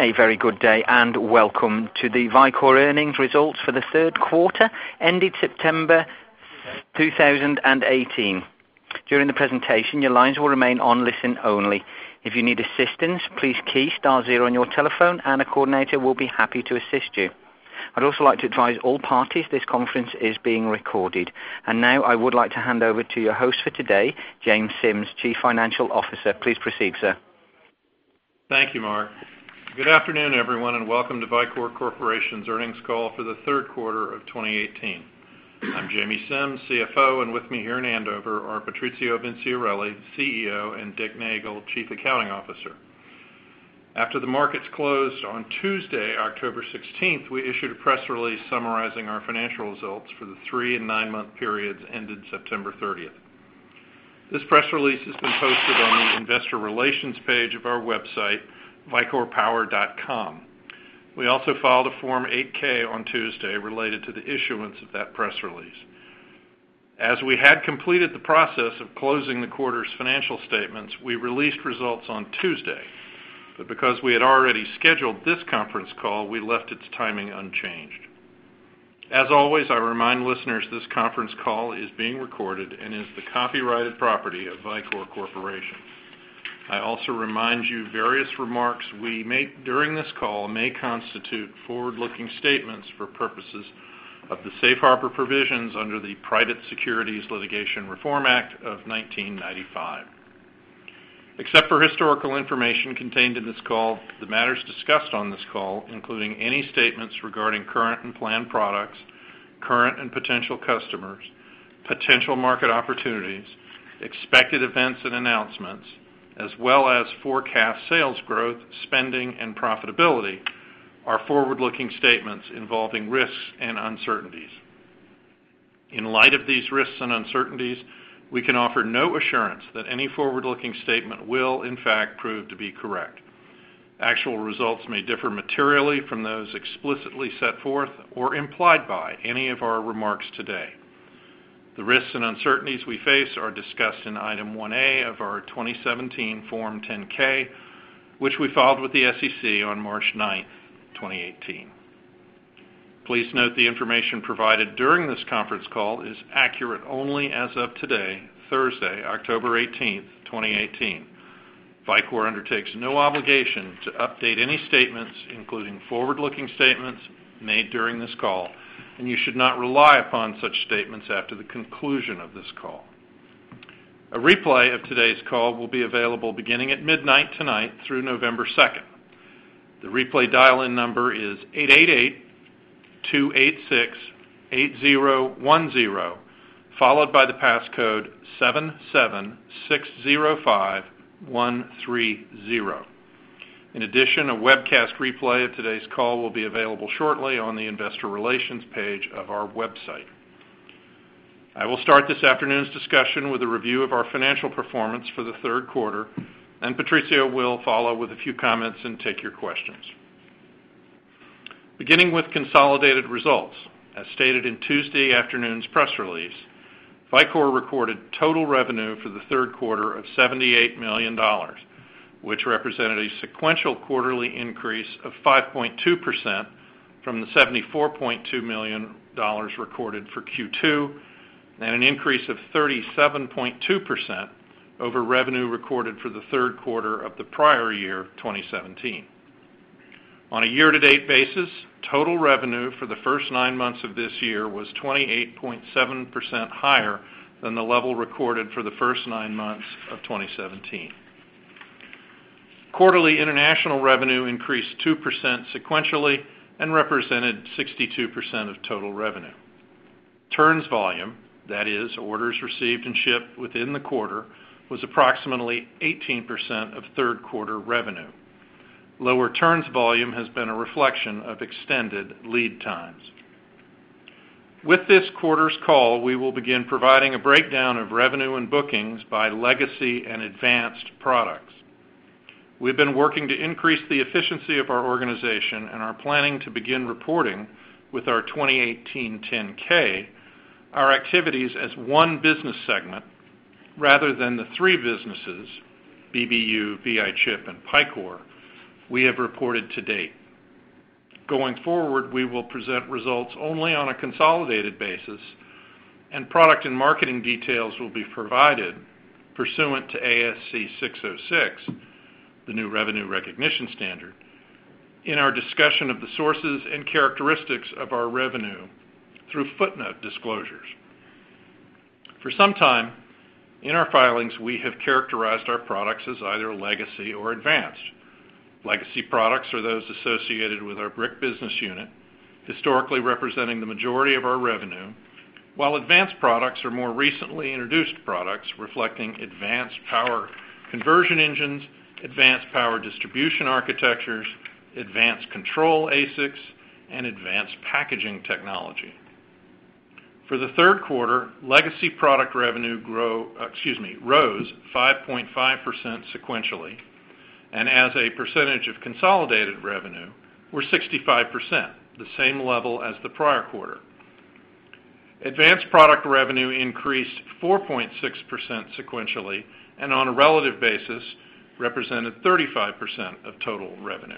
A very good day, welcome to the Vicor earnings results for the third quarter ended September 2018. During the presentation, your lines will remain on listen only. If you need assistance, please key star zero on your telephone and a coordinator will be happy to assist you. I'd also like to advise all parties this conference is being recorded. Now I would like to hand over to your host for today, James Simms, Chief Financial Officer. Please proceed, sir. Thank you, Mark. Good afternoon, everyone, welcome to Vicor Corporation's earnings call for the third quarter of 2018. I'm Jamie Simms, CFO, and with me here in Andover are Patrizio Vinciarelli, CEO, and Dick Nagel, Chief Accounting Officer. After the markets closed on Tuesday, October 16th, we issued a press release summarizing our financial results for the three and nine-month periods ended September 30th. This press release has been posted on the investor relations page of our website, vicorpower.com. We also filed a Form 8-K on Tuesday related to the issuance of that press release. Because we had already scheduled this conference call, we left its timing unchanged. As always, I remind listeners this conference call is being recorded and is the copyrighted property of Vicor Corporation. I also remind you various remarks we make during this call may constitute forward-looking statements for purposes of the Safe Harbor provisions under the Private Securities Litigation Reform Act of 1995. Except for historical information contained in this call, the matters discussed on this call, including any statements regarding current and planned products, current and potential customers, potential market opportunities, expected events and announcements, as well as forecast sales growth, spending, and profitability, are forward-looking statements involving risks and uncertainties. In light of these risks and uncertainties, we can offer no assurance that any forward-looking statement will in fact prove to be correct. Actual results may differ materially from those explicitly set forth or implied by any of our remarks today. The risks and uncertainties we face are discussed in Item 1A of our 2017 Form 10-K, which we filed with the SEC on March 9th, 2018. Please note the information provided during this conference call is accurate only as of today, Thursday, October 18th, 2018. Vicor undertakes no obligation to update any statements, including forward-looking statements made during this call, you should not rely upon such statements after the conclusion of this call. A replay of today's call will be available beginning at midnight tonight through November 2nd. The replay dial-in number is 888-286-8010, followed by the passcode 77605130. In addition, a webcast replay of today's call will be available shortly on the investor relations page of our website. I will start this afternoon's discussion with a review of our financial performance for the third quarter, Patrizio will follow with a few comments and take your questions. Beginning with consolidated results. As stated in Tuesday afternoon's press release, Vicor recorded total revenue for the third quarter of $78 million, which represented a sequential quarterly increase of 5.2% from the $74.2 million recorded for Q2, and an increase of 37.2% over revenue recorded for the third quarter of the prior year 2017. On a year-to-date basis, total revenue for the first nine months of this year was 28.7% higher than the level recorded for the first nine months of 2017. Quarterly international revenue increased 2% sequentially and represented 62% of total revenue. Turns volume, that is orders received and shipped within the quarter, was approximately 18% of third-quarter revenue. Lower turns volume has been a reflection of extended lead times. With this quarter's call, we will begin providing a breakdown of revenue and bookings by legacy and advanced products. We've been working to increase the efficiency of our organization and are planning to begin reporting with our 2018 Form 10-K our activities as one business segment rather than the three businesses, BBU, VI Chip, and Picor, we have reported to date. Going forward, we will present results only on a consolidated basis, and product and marketing details will be provided pursuant to ASC 606, the new revenue recognition standard, in our discussion of the sources and characteristics of our revenue through footnote disclosures. For some time in our filings, we have characterized our products as either legacy or advanced. Legacy products are those associated with our brick business unit, historically representing the majority of our revenue, while advanced products are more recently introduced products reflecting advanced power conversion engines, advanced power distribution architectures, advanced control ASICs, and advanced packaging technology. For the third quarter, legacy product revenue rose 5.5% sequentially, and as a percentage of consolidated revenue, were 65%, the same level as the prior quarter. Advanced product revenue increased 4.6% sequentially, and on a relative basis, represented 35% of total revenue.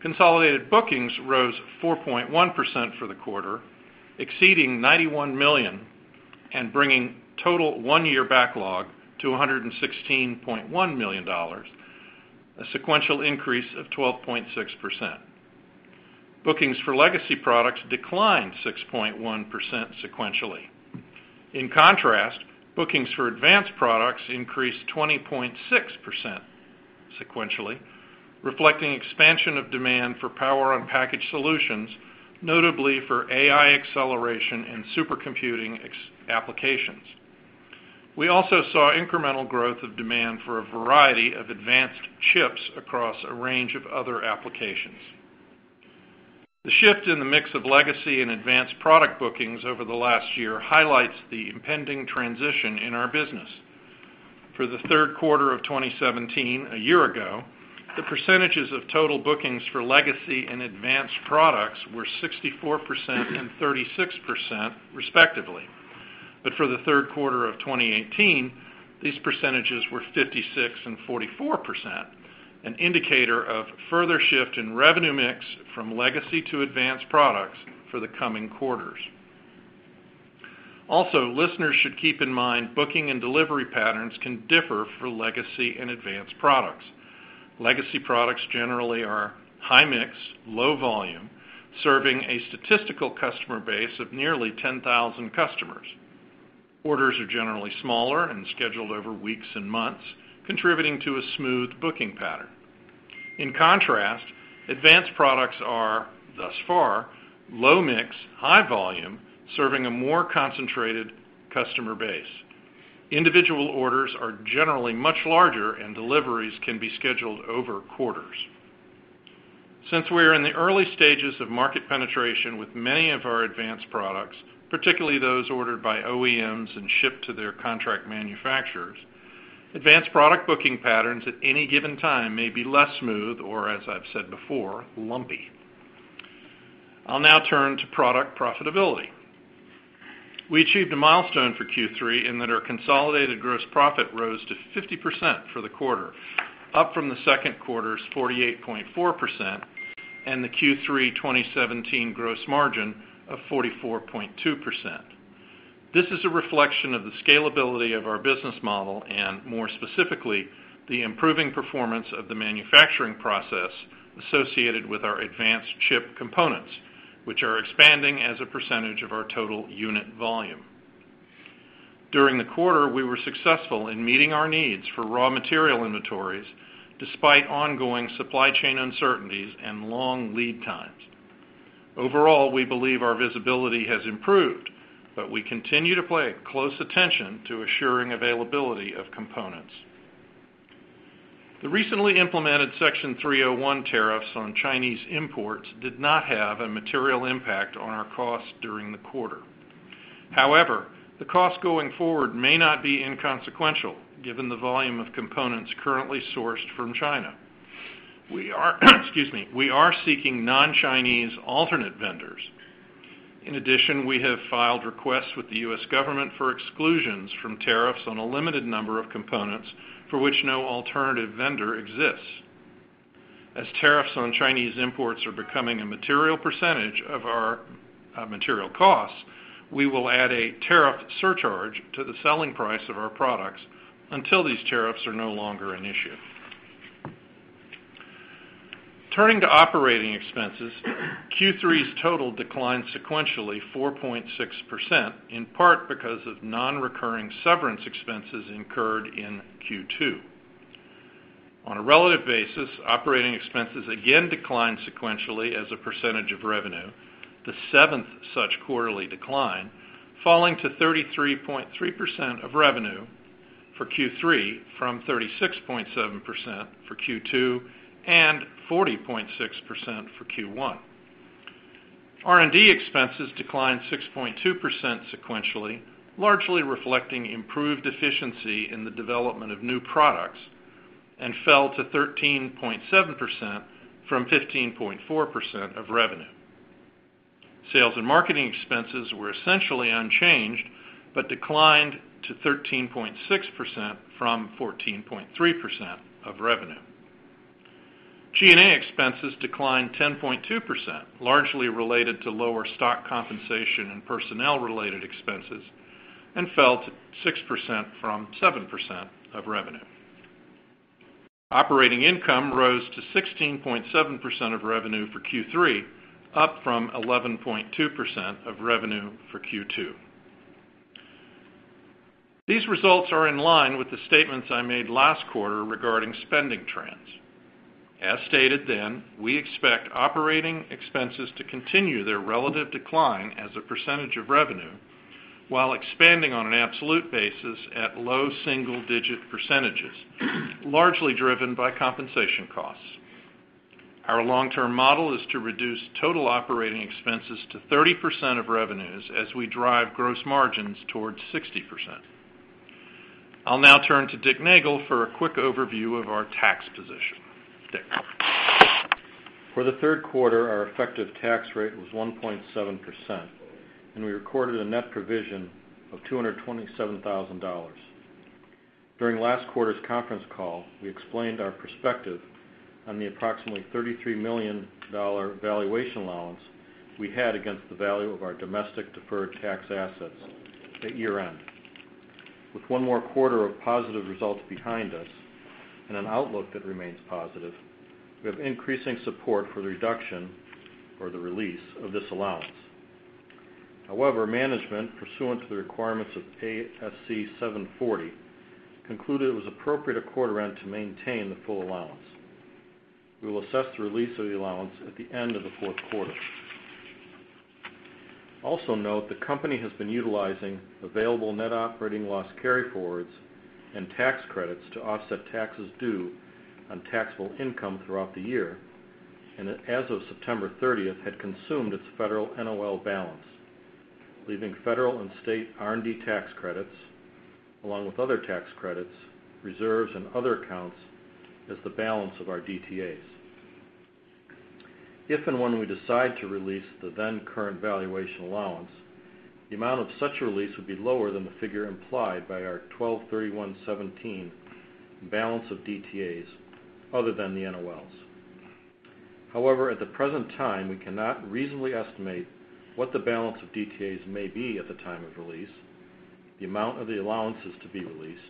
Consolidated bookings rose 4.1% for the quarter, exceeding $91 million and bringing total one-year backlog to $116.1 million, a sequential increase of 12.6%. Bookings for legacy products declined 6.1% sequentially. In contrast, bookings for advanced products increased 20.6% sequentially, reflecting expansion of demand for power on package solutions, notably for AI acceleration and supercomputing applications. We also saw incremental growth of demand for a variety of advanced chips across a range of other applications. The shift in the mix of legacy and advanced product bookings over the last year highlights the impending transition in our business. For the third quarter of 2017, a year ago, the percentages of total bookings for legacy and advanced products were 64% and 36%, respectively. For the third quarter of 2018, these percentages were 56% and 44%, an indicator of further shift in revenue mix from legacy to advanced products for the coming quarters. Listeners should keep in mind, booking and delivery patterns can differ for legacy and advanced products. Legacy products generally are high mix, low volume, serving a statistical customer base of nearly 10,000 customers. Orders are generally smaller and scheduled over weeks and months, contributing to a smooth booking pattern. In contrast, advanced products are thus far low mix, high volume, serving a more concentrated customer base. Individual orders are generally much larger, and deliveries can be scheduled over quarters. Since we're in the early stages of market penetration with many of our advanced products, particularly those ordered by OEMs and shipped to their contract manufacturers, advanced product booking patterns at any given time may be less smooth or, as I've said before, lumpy. I'll now turn to product profitability. We achieved a milestone for Q3 in that our consolidated gross profit rose to 50% for the quarter, up from the second quarter's 48.4%, and the Q3 2017 gross margin of 44.2%. This is a reflection of the scalability of our business model, and more specifically, the improving performance of the manufacturing process associated with our advanced chip components, which are expanding as a percentage of our total unit volume. During the quarter, we were successful in meeting our needs for raw material inventories, despite ongoing supply chain uncertainties and long lead times. Overall, we believe our visibility has improved. We continue to pay close attention to assuring availability of components. The recently implemented Section 301 tariffs on Chinese imports did not have a material impact on our costs during the quarter. However, the cost going forward may not be inconsequential, given the volume of components currently sourced from China. Excuse me. We are seeking non-Chinese alternate vendors. In addition, we have filed requests with the U.S. government for exclusions from tariffs on a limited number of components for which no alternative vendor exists. As tariffs on Chinese imports are becoming a material percentage of our material costs, we will add a tariff surcharge to the selling price of our products until these tariffs are no longer an issue. Turning to operating expenses, Q3's total declined sequentially 4.6%, in part because of non-recurring severance expenses incurred in Q2. On a relative basis, operating expenses again declined sequentially as a percentage of revenue, the seventh such quarterly decline, falling to 33.3% of revenue for Q3 from 36.7% for Q2 and 40.6% for Q1. R&D expenses declined 6.2% sequentially, largely reflecting improved efficiency in the development of new products, and fell to 13.7% from 15.4% of revenue. Sales and marketing expenses were essentially unchanged, declined to 13.6% from 14.3% of revenue. G&A expenses declined 10.2%, largely related to lower stock compensation and personnel-related expenses, and fell to 6% from 7% of revenue. Operating income rose to 16.7% of revenue for Q3, up from 11.2% of revenue for Q2. These results are in line with the statements I made last quarter regarding spending trends. As stated then, we expect operating expenses to continue their relative decline as a percentage of revenue, while expanding on an absolute basis at low single-digit percentages, largely driven by compensation costs. Our long-term model is to reduce total operating expenses to 30% of revenues as we drive gross margins towards 60%. I'll now turn to Dick Nagel for a quick overview of our tax position. For the third quarter, our effective tax rate was 1.7%, and we recorded a net provision of $227,000. During last quarter's conference call, we explained our perspective on the approximately $33 million valuation allowance we had against the value of our domestic deferred tax assets at year-end. With one more quarter of positive results behind us and an outlook that remains positive, we have increasing support for the reduction or the release of this allowance. However, management, pursuant to the requirements of ASC 740, concluded it was appropriate at quarter-end to maintain the full allowance. We will assess the release of the allowance at the end of the fourth quarter. Note, the company has been utilizing available net operating loss carryforwards and tax credits to offset taxes due on taxable income throughout the year, and as of September 30th, had consumed its federal NOL balance, leaving federal and state R&D tax credits, along with other tax credits, reserves, and other accounts, as the balance of our DTAs. If and when we decide to release the then current valuation allowance, the amount of such a release would be lower than the figure implied by our 12/31/17 balance of DTAs other than the NOLs. However, at the present time, we cannot reasonably estimate what the balance of DTAs may be at the time of release, the amount of the allowances to be released,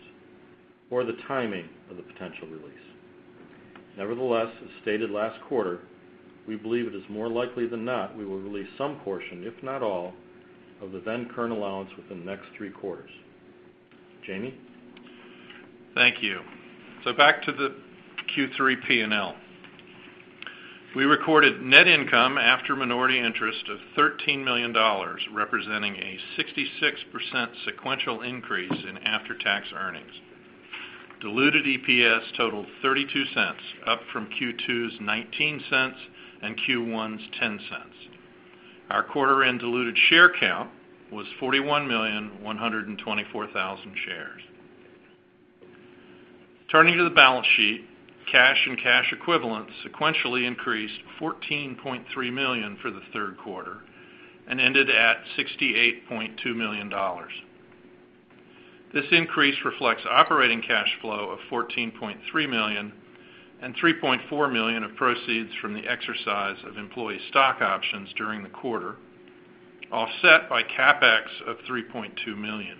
or the timing of the potential release. As stated last quarter, we believe it is more likely than not we will release some portion, if not all, of the then current allowance within the next three quarters. Jamie? Thank you. Back to the Q3 P&L. We recorded net income after minority interest of $13 million, representing a 66% sequential increase in after-tax earnings. Diluted EPS totaled $0.32, up from Q2's $0.19 and Q1's $0.10. Our quarter-end diluted share count was 41,124,000 shares. Turning to the balance sheet, cash and cash equivalents sequentially increased to $14.3 million for the third quarter and ended at $68.2 million. This increase reflects operating cash flow of $14.3 million and $3.4 million of proceeds from the exercise of employee stock options during the quarter, offset by CapEx of $3.2 million.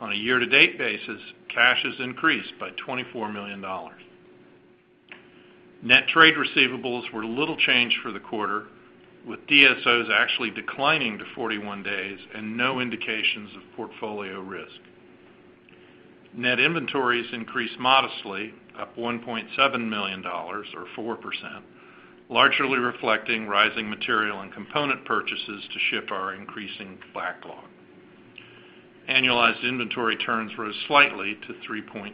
On a year-to-date basis, cash has increased by $24 million. Net trade receivables were little changed for the quarter, with DSOs actually declining to 41 days and no indications of portfolio risk. Net inventories increased modestly, up $1.7 million or 4%, largely reflecting rising material and component purchases to ship our increasing backlog. Annualized inventory turns rose slightly to 3.6.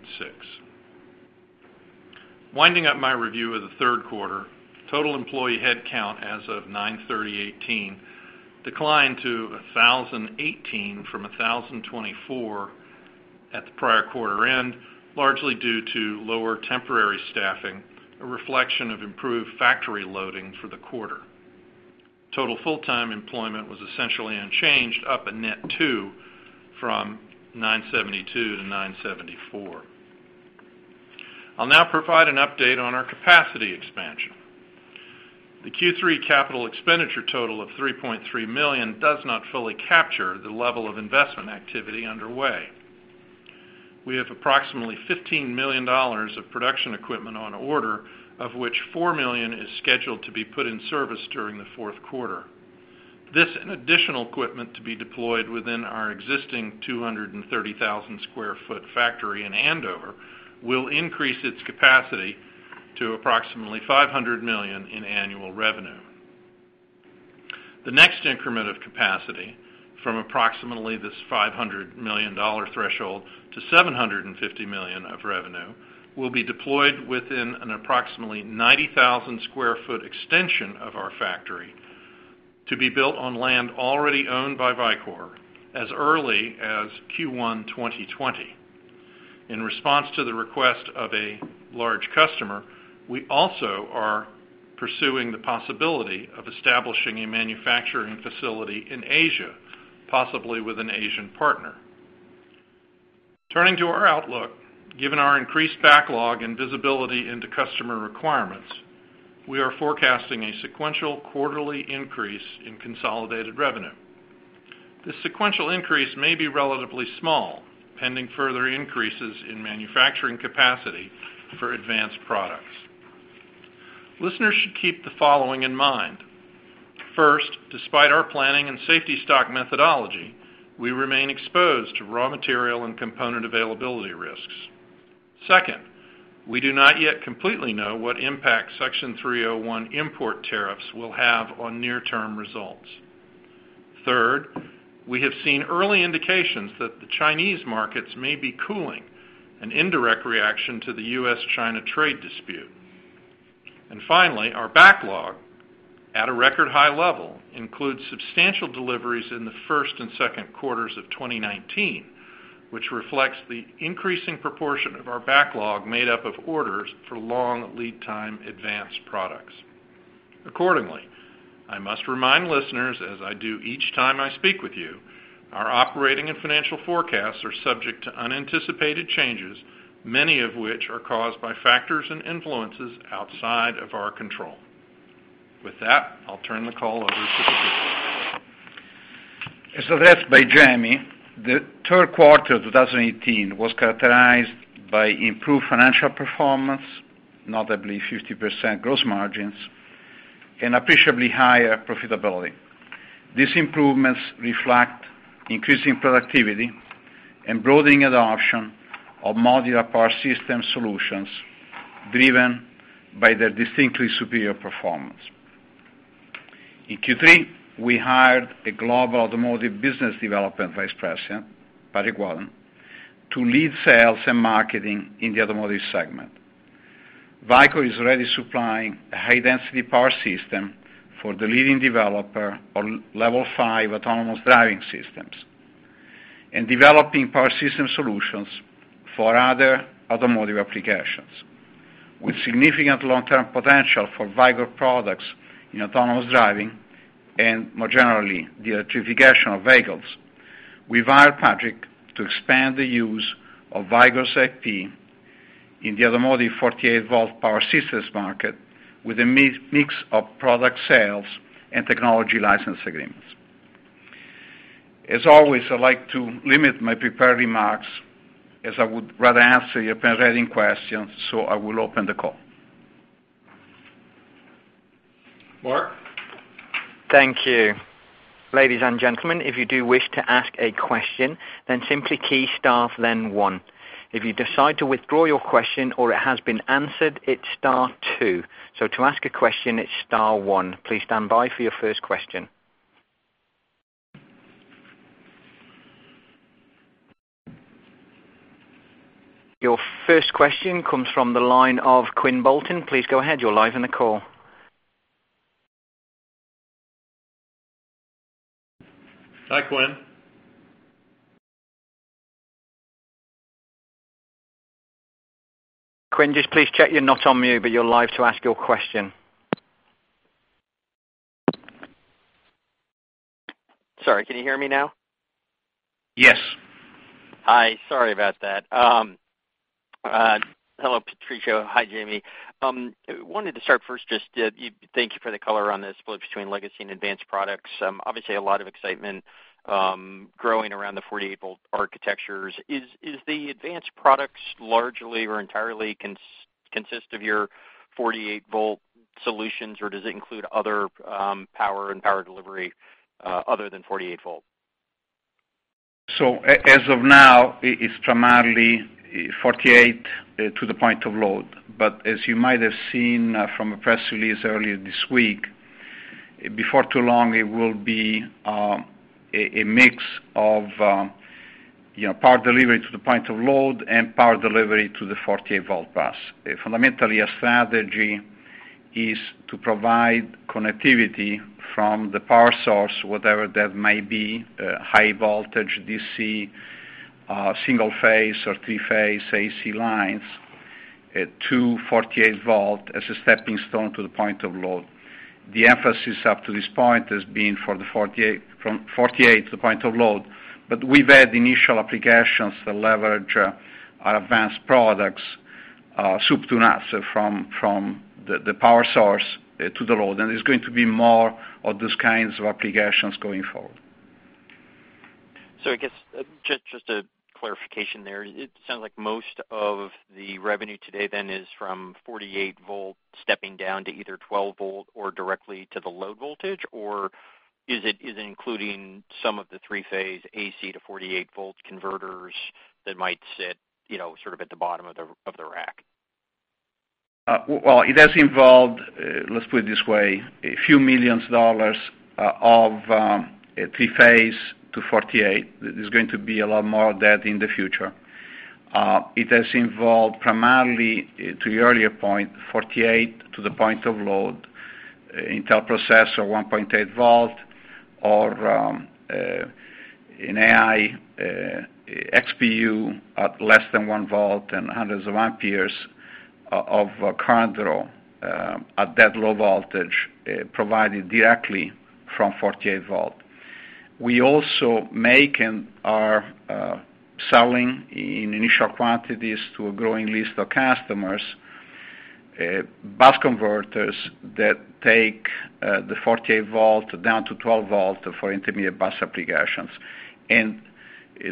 Winding up my review of the third quarter, total employee headcount as of 9/30/2018 declined to 1,018 from 1,024 at the prior quarter end, largely due to lower temporary staffing, a reflection of improved factory loading for the quarter. Total full-time employment was essentially unchanged, up a net two from 972 to 974. I'll now provide an update on our capacity expansion. The Q3 CapEx total of $3.3 million does not fully capture the level of investment activity underway. We have approximately $15 million of production equipment on order, of which $4 million is scheduled to be put in service during the fourth quarter. This additional equipment to be deployed within our existing 230,000 sq ft factory in Andover will increase its capacity to approximately $500 million in annual revenue. The next increment of capacity, from approximately this $500 million threshold to $750 million of revenue, will be deployed within an approximately 90,000 sq ft extension of our factory to be built on land already owned by Vicor as early as Q1 2020. In response to the request of a large customer, we also are pursuing the possibility of establishing a manufacturing facility in Asia, possibly with an Asian partner. Turning to our outlook, given our increased backlog and visibility into customer requirements, we are forecasting a sequential quarterly increase in consolidated revenue. This sequential increase may be relatively small, pending further increases in manufacturing capacity for advanced products. Listeners should keep the following in mind. First, despite our planning and safety stock methodology, we remain exposed to raw material and component availability risks. Second, we do not yet completely know what impact Section 301 import tariffs will have on near-term results. Third, we have seen early indications that the Chinese markets may be cooling, an indirect reaction to the U.S.-China trade dispute. Finally, our backlog, at a record high level, includes substantial deliveries in the first and second quarters of 2019, which reflects the increasing proportion of our backlog made up of orders for long lead time advanced products. Accordingly, I must remind listeners, as I do each time I speak with you, our operating and financial forecasts are subject to unanticipated changes, many of which are caused by factors and influences outside of our control. With that, I'll turn the call over to Patrizio. As addressed by Jamie, the third quarter of 2018 was characterized by improved financial performance, notably 50% gross margins, and appreciably higher profitability. These improvements reflect increasing productivity and broadening adoption of modular power system solutions driven by their distinctly superior performance. In Q3, we hired a Global Automotive Business Development Vice President, Patrick Wadden, to lead sales and marketing in the automotive segment. Vicor is already supplying a high-density power system for the leading developer on level 5 autonomous driving systems, and developing power system solutions for other automotive applications. With significant long-term potential for Vicor products in autonomous driving and more generally, the electrification of vehicles, we hired Patrick to expand the use of Vicor's IP in the automotive 48-volt power systems market with a mix of product sales and technology license agreements. As always, I like to limit my prepared remarks, as I would rather answer your pending questions, so I will open the call. Mark? Thank you. Ladies and gentlemen, if you do wish to ask a question, then simply key star, then one. If you decide to withdraw your question or it has been answered, it's star two. To ask a question, it's star one. Please stand by for your first question. Your first question comes from the line of Quinn Bolton. Please go ahead. You're live on the call. Hi, Quinn. Quinn, just please check you're not on mute, but you're live to ask your question. Sorry, can you hear me now? Yes. Hi. Sorry about that. Hello, Patrizio. Hi, Jamie. Wanted to start first, just thank you for the color on the split between legacy and advanced products. Obviously, a lot of excitement, growing around the 48-volt architectures. Is the advanced products largely or entirely consist of your 48-volt solutions, or does it include other power and power delivery other than 48 volt? As of now, it is primarily 48 to the point of load. As you might have seen from a press release earlier this week, before too long, it will be a mix of power delivery to the point of load and power delivery to the 48-volt bus. Fundamentally, our strategy is to provide connectivity from the power source, whatever that may be, high voltage DC, single-phase or three-phase AC lines to 48 volt as a stepping stone to the point of load. The emphasis up to this point has been from 48 to the point of load. We've had initial applications that leverage our advanced products soup to nuts from the power source to the load, and there's going to be more of those kinds of applications going forward. I guess, just a clarification there. It sounds like most of the revenue today then is from 48-volt stepping down to either 12-volt or directly to the load voltage. Is it including some of the three-phase AC to 48-volt converters that might sit at the bottom of the rack? Well, it has involved, let's put it this way, a few million dollars of 3-phase to 48. There's going to be a lot more of that in the future. It has involved primarily, to your earlier point, 48 to the point of load, Intel processor 1.8 volt, or an AI XPU at less than one volt and hundreds of amperes of current draw at that low voltage provided directly from 48 volt. We also make and are selling in initial quantities to a growing list of customers, bus converters that take the 48 volt down to 12 volt for intermediate bus applications.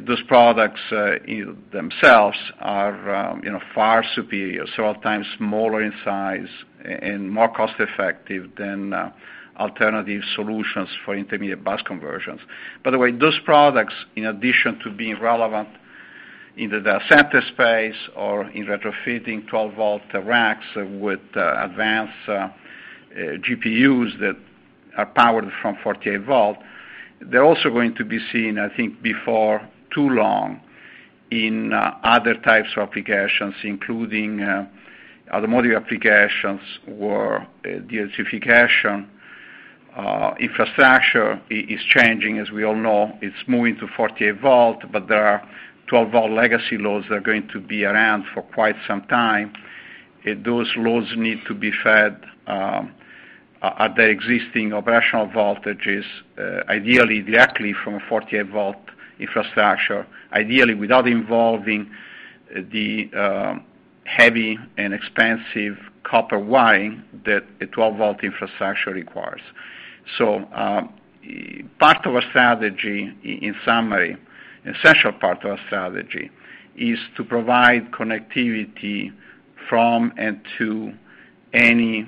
Those products themselves are far superior, several times smaller in size and more cost-effective than alternative solutions for intermediate bus conversions. By the way, those products, in addition to being relevant in the data center space or in retrofitting 12-volt racks with advanced GPUs that are powered from 48 volt, they're also going to be seen, I think, before too long in other types of applications, including automotive applications or electrification, infrastructure is changing, as we all know. It's moving to 48 volt, but there are 12 volt legacy loads that are going to be around for quite some time. Those loads need to be fed at their existing operational voltages, ideally directly from a 48 volt infrastructure, ideally without involving the heavy and expensive copper wiring that a 12 volt infrastructure requires. Part of our strategy, in summary, an essential part of our strategy, is to provide connectivity from and to any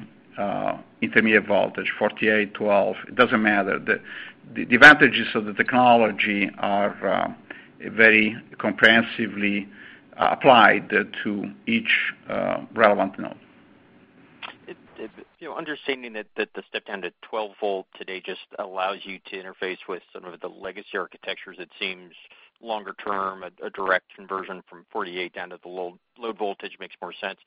intermediate voltage, 48, 12, it doesn't matter. The advantages of the technology are very comprehensively applied to each relevant node. Understanding that the step-down to 12 volt today just allows you to interface with some of the legacy architectures, it seems longer term, a direct conversion from 48 down to the low voltage makes more sense.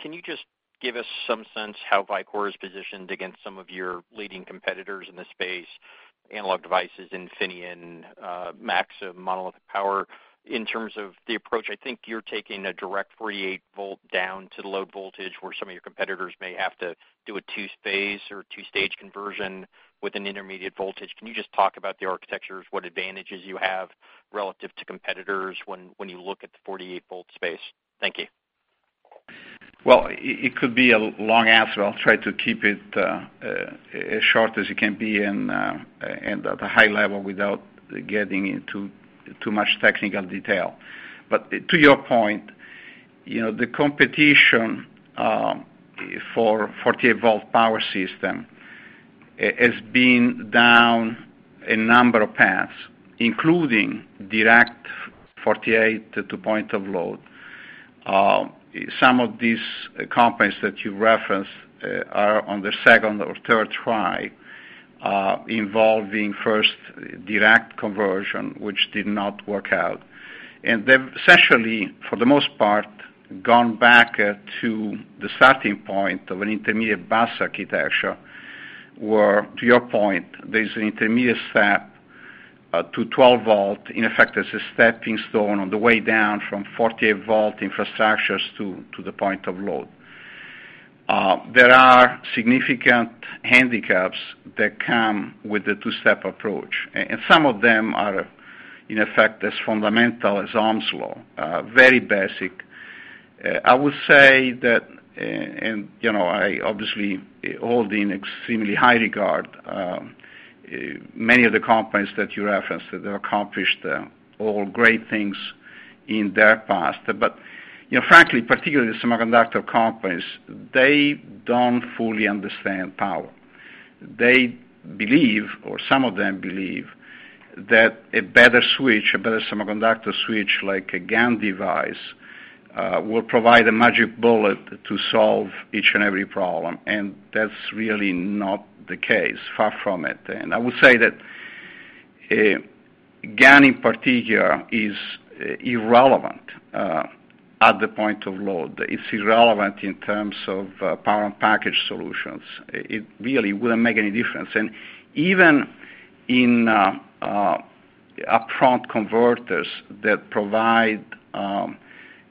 Can you just give us some sense how Vicor is positioned against some of your leading competitors in the space, Analog Devices, Infineon, Maxim Integrated, Monolithic Power Systems, in terms of the approach? I think you're taking a direct 48 volt down to the load voltage, where some of your competitors may have to do a 2-phase or 2-stage conversion with an intermediate voltage. Can you just talk about the architectures, what advantages you have relative to competitors when you look at the 48 volt space? Thank you. It could be a long answer. I'll try to keep it as short as it can be and at a high level without getting into too much technical detail. To your point, the competition for 48 volt power system has been down a number of paths, including direct 48 to point of load. Some of these companies that you referenced are on the second or third try, involving first direct conversion, which did not work out. They've essentially, for the most part, gone back to the starting point of an intermediate bus architecture, where to your point, there's an intermediate step to 12 volt. In effect, there's a stepping stone on the way down from 48 volt infrastructures to the point of load. There are significant handicaps that come with the two-step approach, and some of them are, in effect, as fundamental as Ohm's law. Very basic. I will say that, I obviously hold in extremely high regard many of the companies that you referenced, that have accomplished all great things in their past. Frankly, particularly the semiconductor companies, they don't fully understand power. They believe, or some of them believe, that a better switch, a better semiconductor switch, like a GaN device, will provide a magic bullet to solve each and every problem, that's really not the case, far from it. I would say that GaN, in particular, is irrelevant at the point of load. It's irrelevant in terms of power and package solutions. It really wouldn't make any difference. Even in upfront converters that provide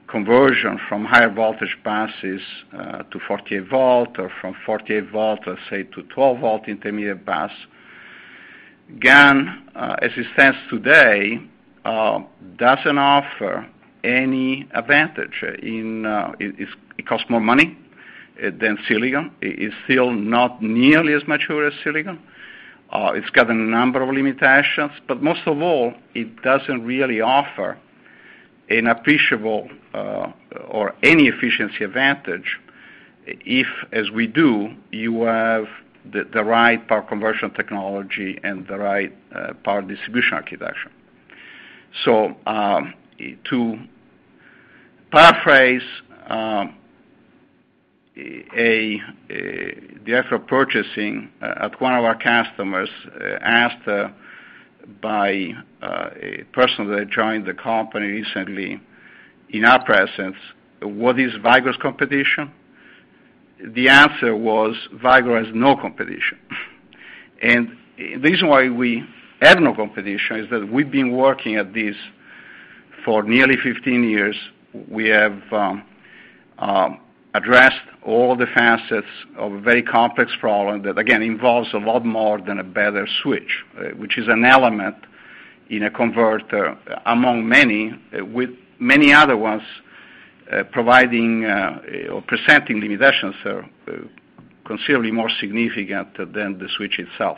conversion from higher voltage buses to 48 volt, or from 48 volt, let's say, to 12 volt intermediate bus, GaN, as it stands today, doesn't offer any advantage. It costs more money than silicon. It's still not nearly as mature as silicon. It's got a number of limitations, but most of all, it doesn't really offer an appreciable or any efficiency advantage if, as we do, you have the right power conversion technology and the right power distribution architecture. To paraphrase, the head of purchasing at one of our customers, asked by a person that joined the company recently, in our presence, what is Vicor's competition? The answer was, Vicor has no competition. The reason why we have no competition is that we've been working at this for nearly 15 years. We have addressed all the facets of a very complex problem that, again, involves a lot more than a better switch, which is an element in a converter, among many, with many other ones providing or presenting limitations that are considerably more significant than the switch itself.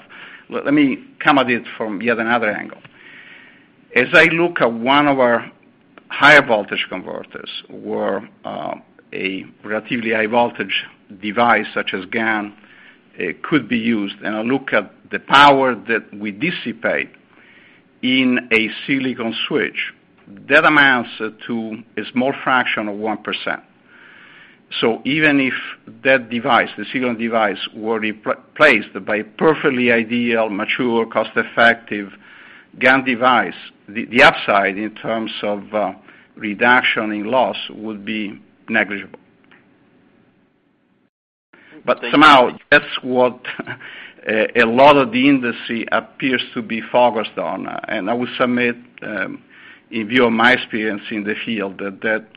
Let me come at it from yet another angle. As I look at one of our higher voltage converters, where a relatively high voltage device such as GaN could be used, and I look at the power that we dissipate in a silicon switch, that amounts to a small fraction of 1%. Even if that device, the silicon device, were replaced by perfectly ideal, mature, cost-effective GaN device, the upside in terms of reduction in loss would be negligible. Somehow, that's what a lot of the industry appears to be focused on. I would submit, in view of my experience in the field, that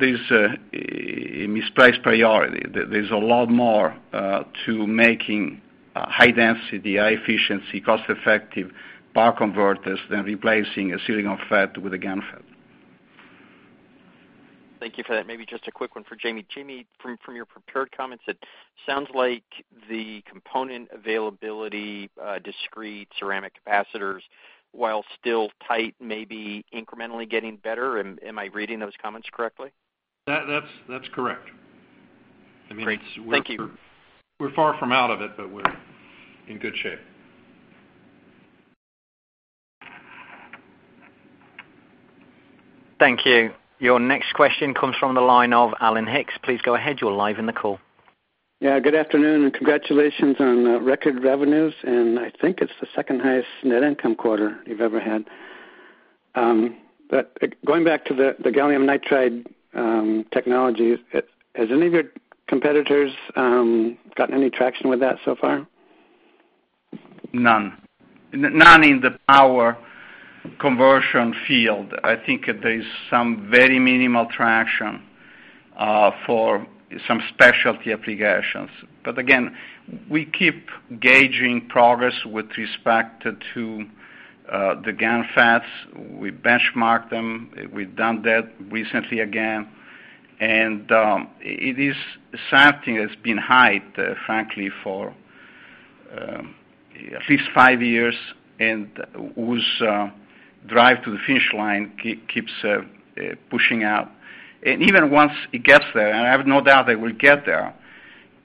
there's a misplaced priority. There's a lot more to making high density, high efficiency, cost-effective power converters, than replacing a silicon FET with a GaN FET. Thank you for that. Maybe just a quick one for Jamie. Jamie, from your prepared comments, it sounds like the component availability, discrete ceramic capacitors, while still tight, may be incrementally getting better. Am I reading those comments correctly? That's correct. Great. Thank you. We're far from out of it, but we're in good shape. Thank you. Your next question comes from the line of Alan Hicks. Please go ahead. You're live on the call. Yeah, good afternoon. Congratulations on record revenues, and I think it's the second highest net income quarter you've ever had. Going back to the gallium nitride technology, has any of your competitors gotten any traction with that so far? None. None in the power conversion field. I think there is some very minimal traction for some specialty applications. Again, we keep gauging progress with respect to the GaN FETs. We benchmark them. We've done that recently again. It is something that's been hyped, frankly, for at least five years, and whose drive to the finish line keeps pushing out. Even once it gets there, and I have no doubt it will get there,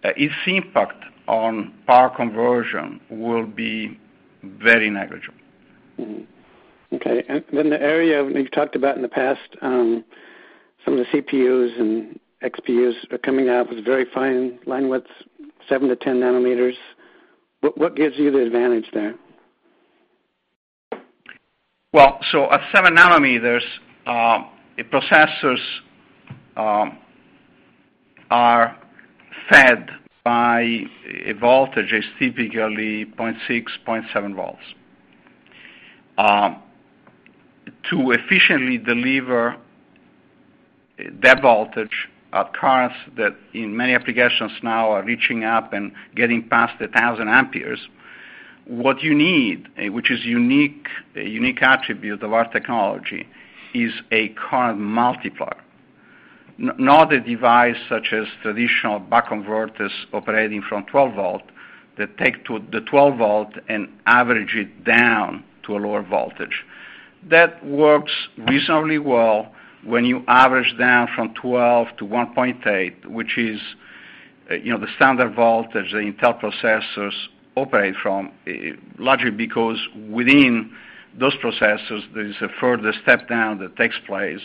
its impact on power conversion will be very negligible. Mm-hmm. Okay. The area we've talked about in the past, some of the CPUs and XPUs are coming out with very fine line widths, 7-10 nanometers. What gives you the advantage there? At seven nanometers, processors are fed by voltages typically 0.6, 0.7 volts. To efficiently deliver that voltage at currents that in many applications now are reaching up and getting past 1,000 amperes, what you need, which is a unique attribute of our technology, is a current multiplier. Not a device such as traditional buck converters operating from 12 volt, that take the 12 volt and average it down to a lower voltage. That works reasonably well when you average down from 12 to 1.8, which is the standard voltage the Intel processors operate from, largely because within those processors, there is a further step down that takes place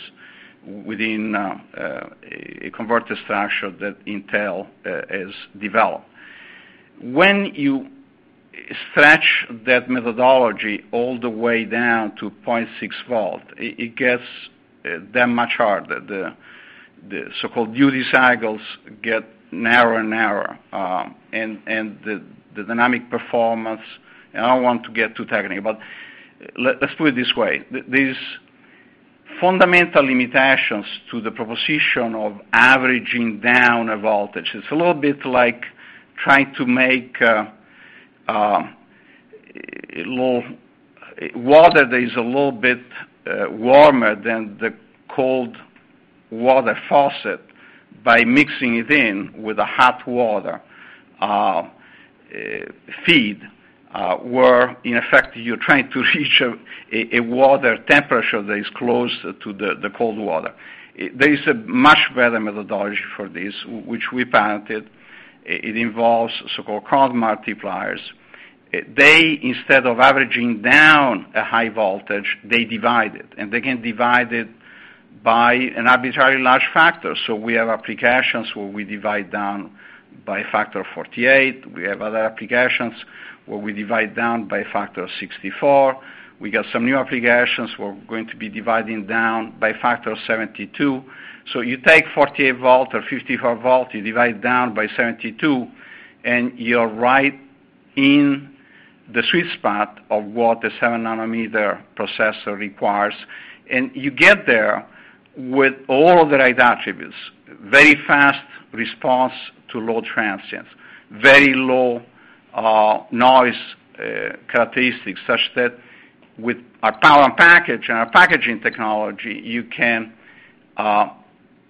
within a converter structure that Intel has developed. When you stretch that methodology all the way down to 0.6 volt, it gets that much harder. The so-called duty cycles get narrower and narrower, the dynamic performance I don't want to get too technical, but let's put it this way, these fundamental limitations to the proposition of averaging down a voltage, it's a little bit like trying to make water that is a little bit warmer than the cold water faucet by mixing it in with the hot water feed, where in effect, you're trying to reach a water temperature that is close to the cold water. There is a much better methodology for this, which we patented. It involves so-called current multipliers. Instead of averaging down a high voltage, they divide it, and they can divide it by an arbitrarily large factor. We have applications where we divide down by a factor of 48. We have other applications where we divide down by a factor of 64. We got some new applications we're going to be dividing down by a factor of 72. You take 48 volt or 54 volt, you divide it down by 72, and you're right in the sweet spot of what the seven-nanometer processor requires. You get there with all the right attributes. Very fast response to load transients, very low noise characteristics, such that with our Power-on-Package and our packaging technology, you can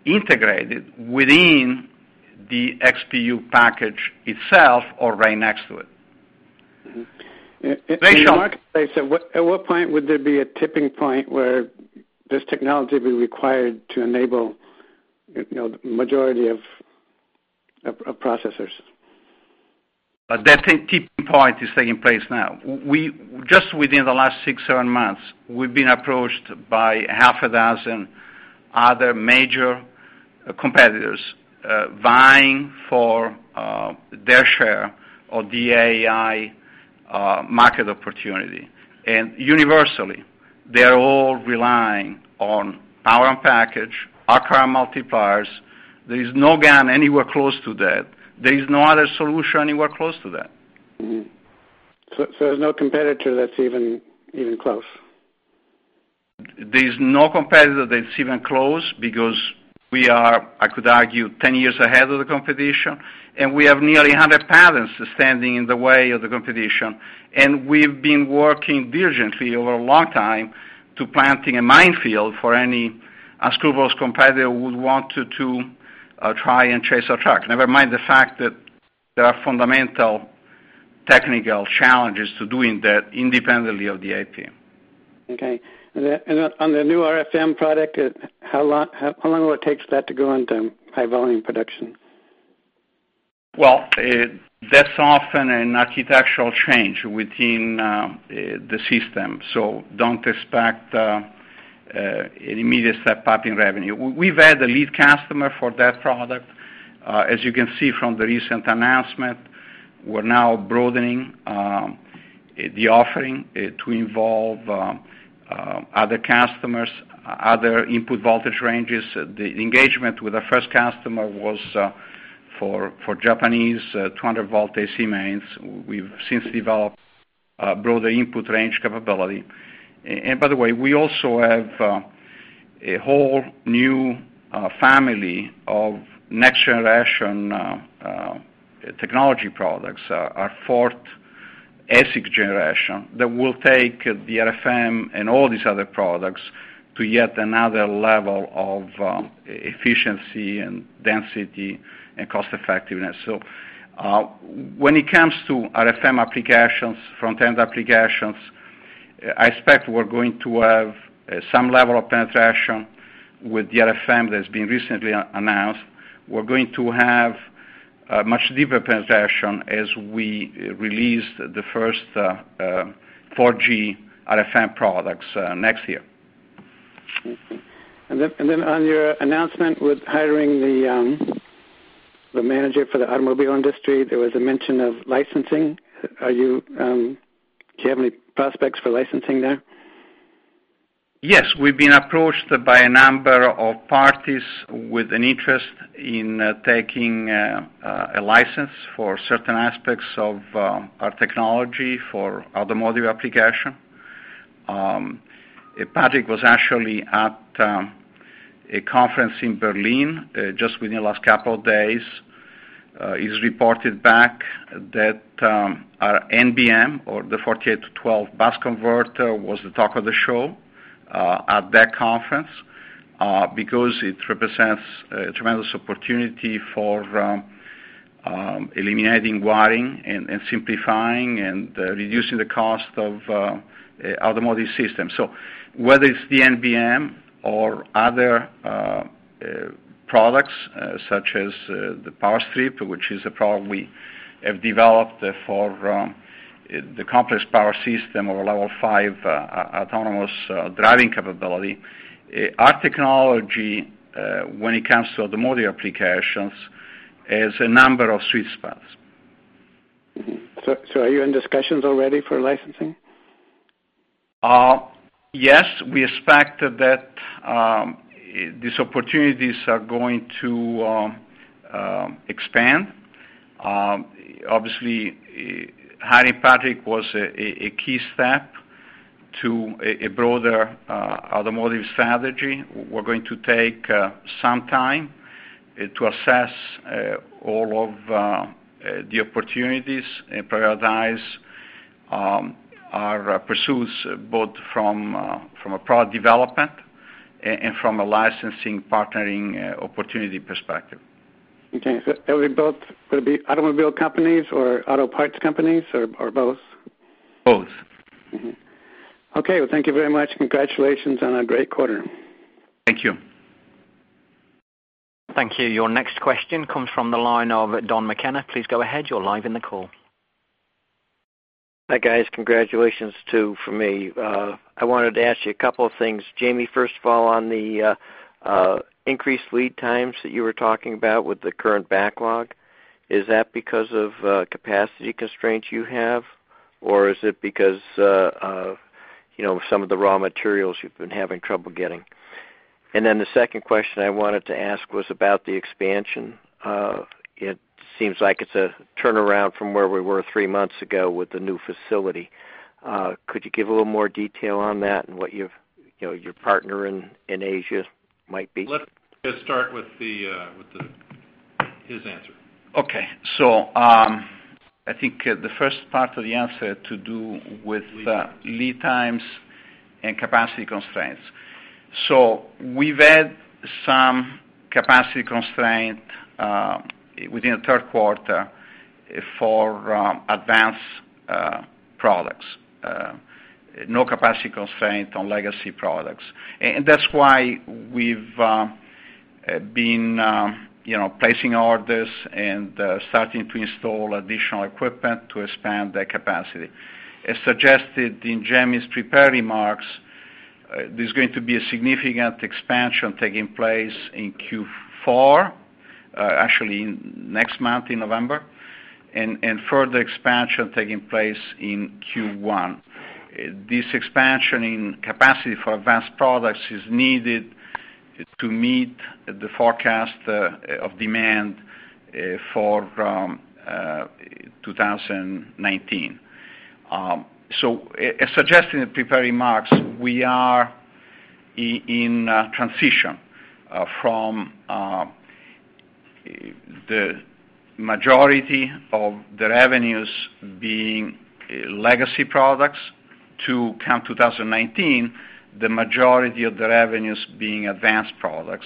integrate it within the XPU package itself or right next to it. Rachel. In the marketplace, at what point would there be a tipping point where this technology will be required to enable the majority of processors? That tipping point is taking place now. Just within the last six, seven months, we've been approached by half a dozen other major competitors, vying for their share of the AI market opportunity. Universally, they're all relying on our package, our current multipliers. There's no GaN anywhere close to that. There is no other solution anywhere close to that. Mm-hmm. There's no competitor that's even close? There's no competitor that's even close because we are, I could argue, 10 years ahead of the competition, and we have nearly 100 patents standing in the way of the competition, and we've been working diligently over a long time to planting a minefield for any unscrupulous competitor who would want to try and chase our truck. Never mind the fact that there are fundamental technical challenges to doing that independently of the IP. Okay. On the new RFM product, how long will it take that to go into high-volume production? That's often an architectural change within the system, don't expect any immediate step-up in revenue. We've had a lead customer for that product. As you can see from the recent announcement, we're now broadening the offering to involve other customers, other input voltage ranges. The engagement with the first customer was for Japanese 200 volt AC mains. We've since developed broader input range capability. By the way, we also have a whole new family of next-generation technology products, our fourth ASIC generation, that will take the RFM and all these other products to yet another level of efficiency and density and cost effectiveness. When it comes to RFM applications, front-end applications, I expect we're going to have some level of penetration with the RFM that's been recently announced. We're going to have a much deeper penetration as we release the first 4G RFM products next year. Okay. On your announcement with hiring the manager for the automobile industry, there was a mention of licensing. Do you have any prospects for licensing there? Yes. We've been approached by a number of parties with an interest in taking a license for certain aspects of our technology for automotive application. Patrick was actually at a conference in Berlin just within the last couple of days. He's reported back that our NBM, or the 48 to 12 bus converter, was the talk of the show at that conference, because it represents a tremendous opportunity for eliminating wiring and simplifying and reducing the cost of automotive systems. Whether it's the NBM or other products such as the power strip, which is a product we have developed for the complex power system of a level 5 autonomous driving capability, our technology, when it comes to automotive applications, has a number of sweet spots. Are you in discussions already for licensing? Yes, we expect that these opportunities are going to expand. Obviously, hiring Patrick was a key step to a broader automotive strategy. We're going to take some time to assess all of the opportunities and prioritize our pursuits, both from a product development and from a licensing, partnering opportunity perspective. Okay. It'll be automobile companies or auto parts companies, or both? Both. Okay. Well, thank you very much. Congratulations on a great quarter. Thank you. Thank you. Your next question comes from the line of Don McKenna. Please go ahead. You're live on the call. Hi, guys. Congratulations too from me. I wanted to ask you a couple of things. Jamie, first of all, on the increased lead times that you were talking about with the current backlog, is that because of capacity constraints you have, or is it because of some of the raw materials you've been having trouble getting? Then the second question I wanted to ask was about the expansion. It seems like it's a turnaround from where we were three months ago with the new facility. Could you give a little more detail on that and what your partner in Asia might be? Let's start with his answer. Okay. I think the first part of the answer to do with lead times and capacity constraints. We've had some capacity constraint within the third quarter for advanced products. No capacity constraint on legacy products. That's why we've been placing orders and starting to install additional equipment to expand that capacity. As suggested in Jamie's prepared remarks, there's going to be a significant expansion taking place in Q4, actually next month in November, and further expansion taking place in Q1. This expansion in capacity for advanced products is needed to meet the forecast of demand for 2019. As suggested in the prepared remarks, we are in transition from the majority of the revenues being legacy products to, come 2019, the majority of the revenues being advanced products.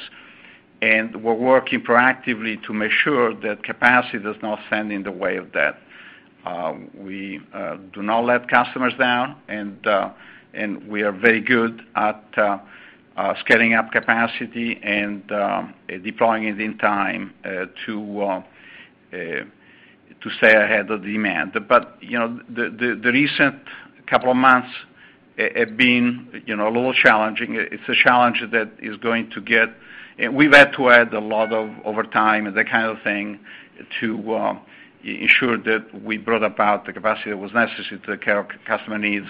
We're working proactively to make sure that capacity does not stand in the way of that. We do not let customers down, we are very good at scaling up capacity and deploying it in time to stay ahead of demand. The recent couple of months have been a little challenging. We've had to add a lot of overtime and that kind of thing to ensure that we brought about the capacity that was necessary to take care of customer needs.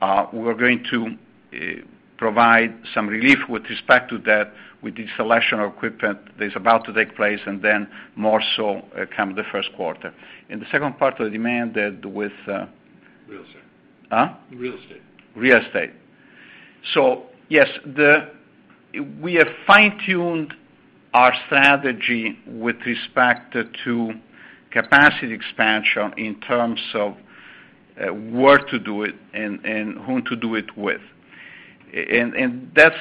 We're going to provide some relief with respect to that with the selection of equipment that is about to take place, then more so come the first quarter. The second part of the demand. Real estate. Huh? Real estate. Real estate. Yes, we have fine-tuned our strategy with respect to capacity expansion in terms of where to do it and whom to do it with. That's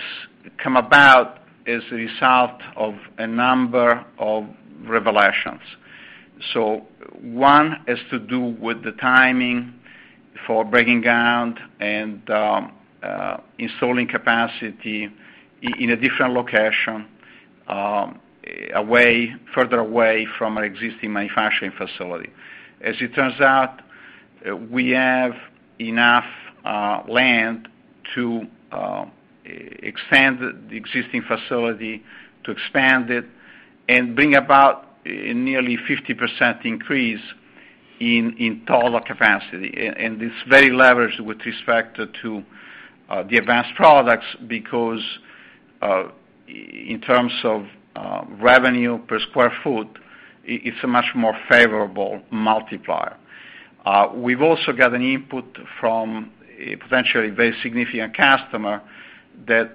come about as a result of a number of revelations. One has to do with the timing for breaking ground and installing capacity in a different location, further away from our existing manufacturing facility. As it turns out, we have enough land to expand the existing facility, to expand it and bring about a nearly 50% increase in total capacity. It's very leveraged with respect to the advanced products because, in terms of revenue per square foot, it's a much more favorable multiplier. We've also got an input from a potentially very significant customer that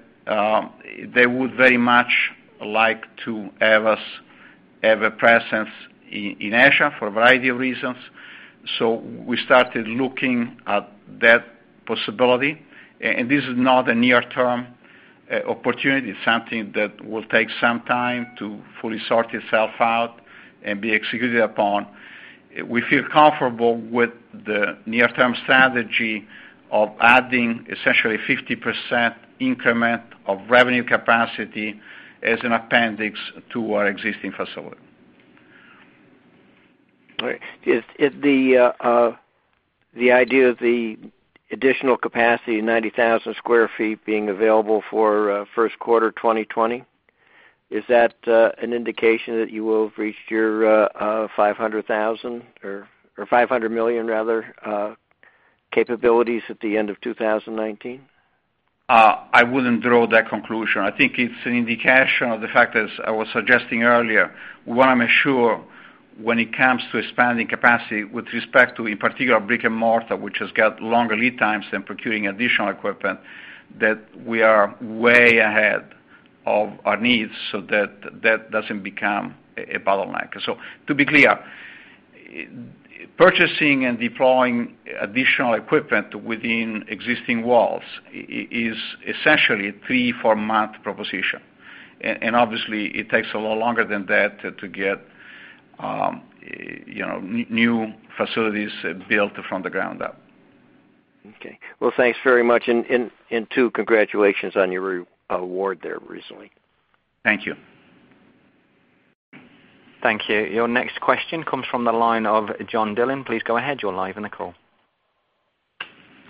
they would very much like to have us have a presence in Asia for a variety of reasons. We started looking at that possibility. This is not a near-term opportunity. It's something that will take some time to fully sort itself out and be executed upon. We feel comfortable with the near-term strategy of adding essentially 50% increment of revenue capacity as an appendix to our existing facility. All right. Is the idea of the additional capacity, 90,000 square feet being available for first quarter 2020, is that an indication that you will have reached your $500,000 or $500 million, rather, capabilities at the end of 2019? I wouldn't draw that conclusion. I think it's an indication of the fact, as I was suggesting earlier, we want to make sure when it comes to expanding capacity with respect to, in particular, brick-and-mortar, which has got longer lead times than procuring additional equipment, that we are way ahead of our needs so that that doesn't become a bottleneck. To be clear, purchasing and deploying additional equipment within existing walls is essentially a three, four-month proposition. Obviously, it takes a lot longer than that to get new facilities built from the ground up. Okay. Well, thanks very much. Two, congratulations on your award there recently. Thank you. Thank you. Your next question comes from the line of John Dillon. Please go ahead. You're live on the call.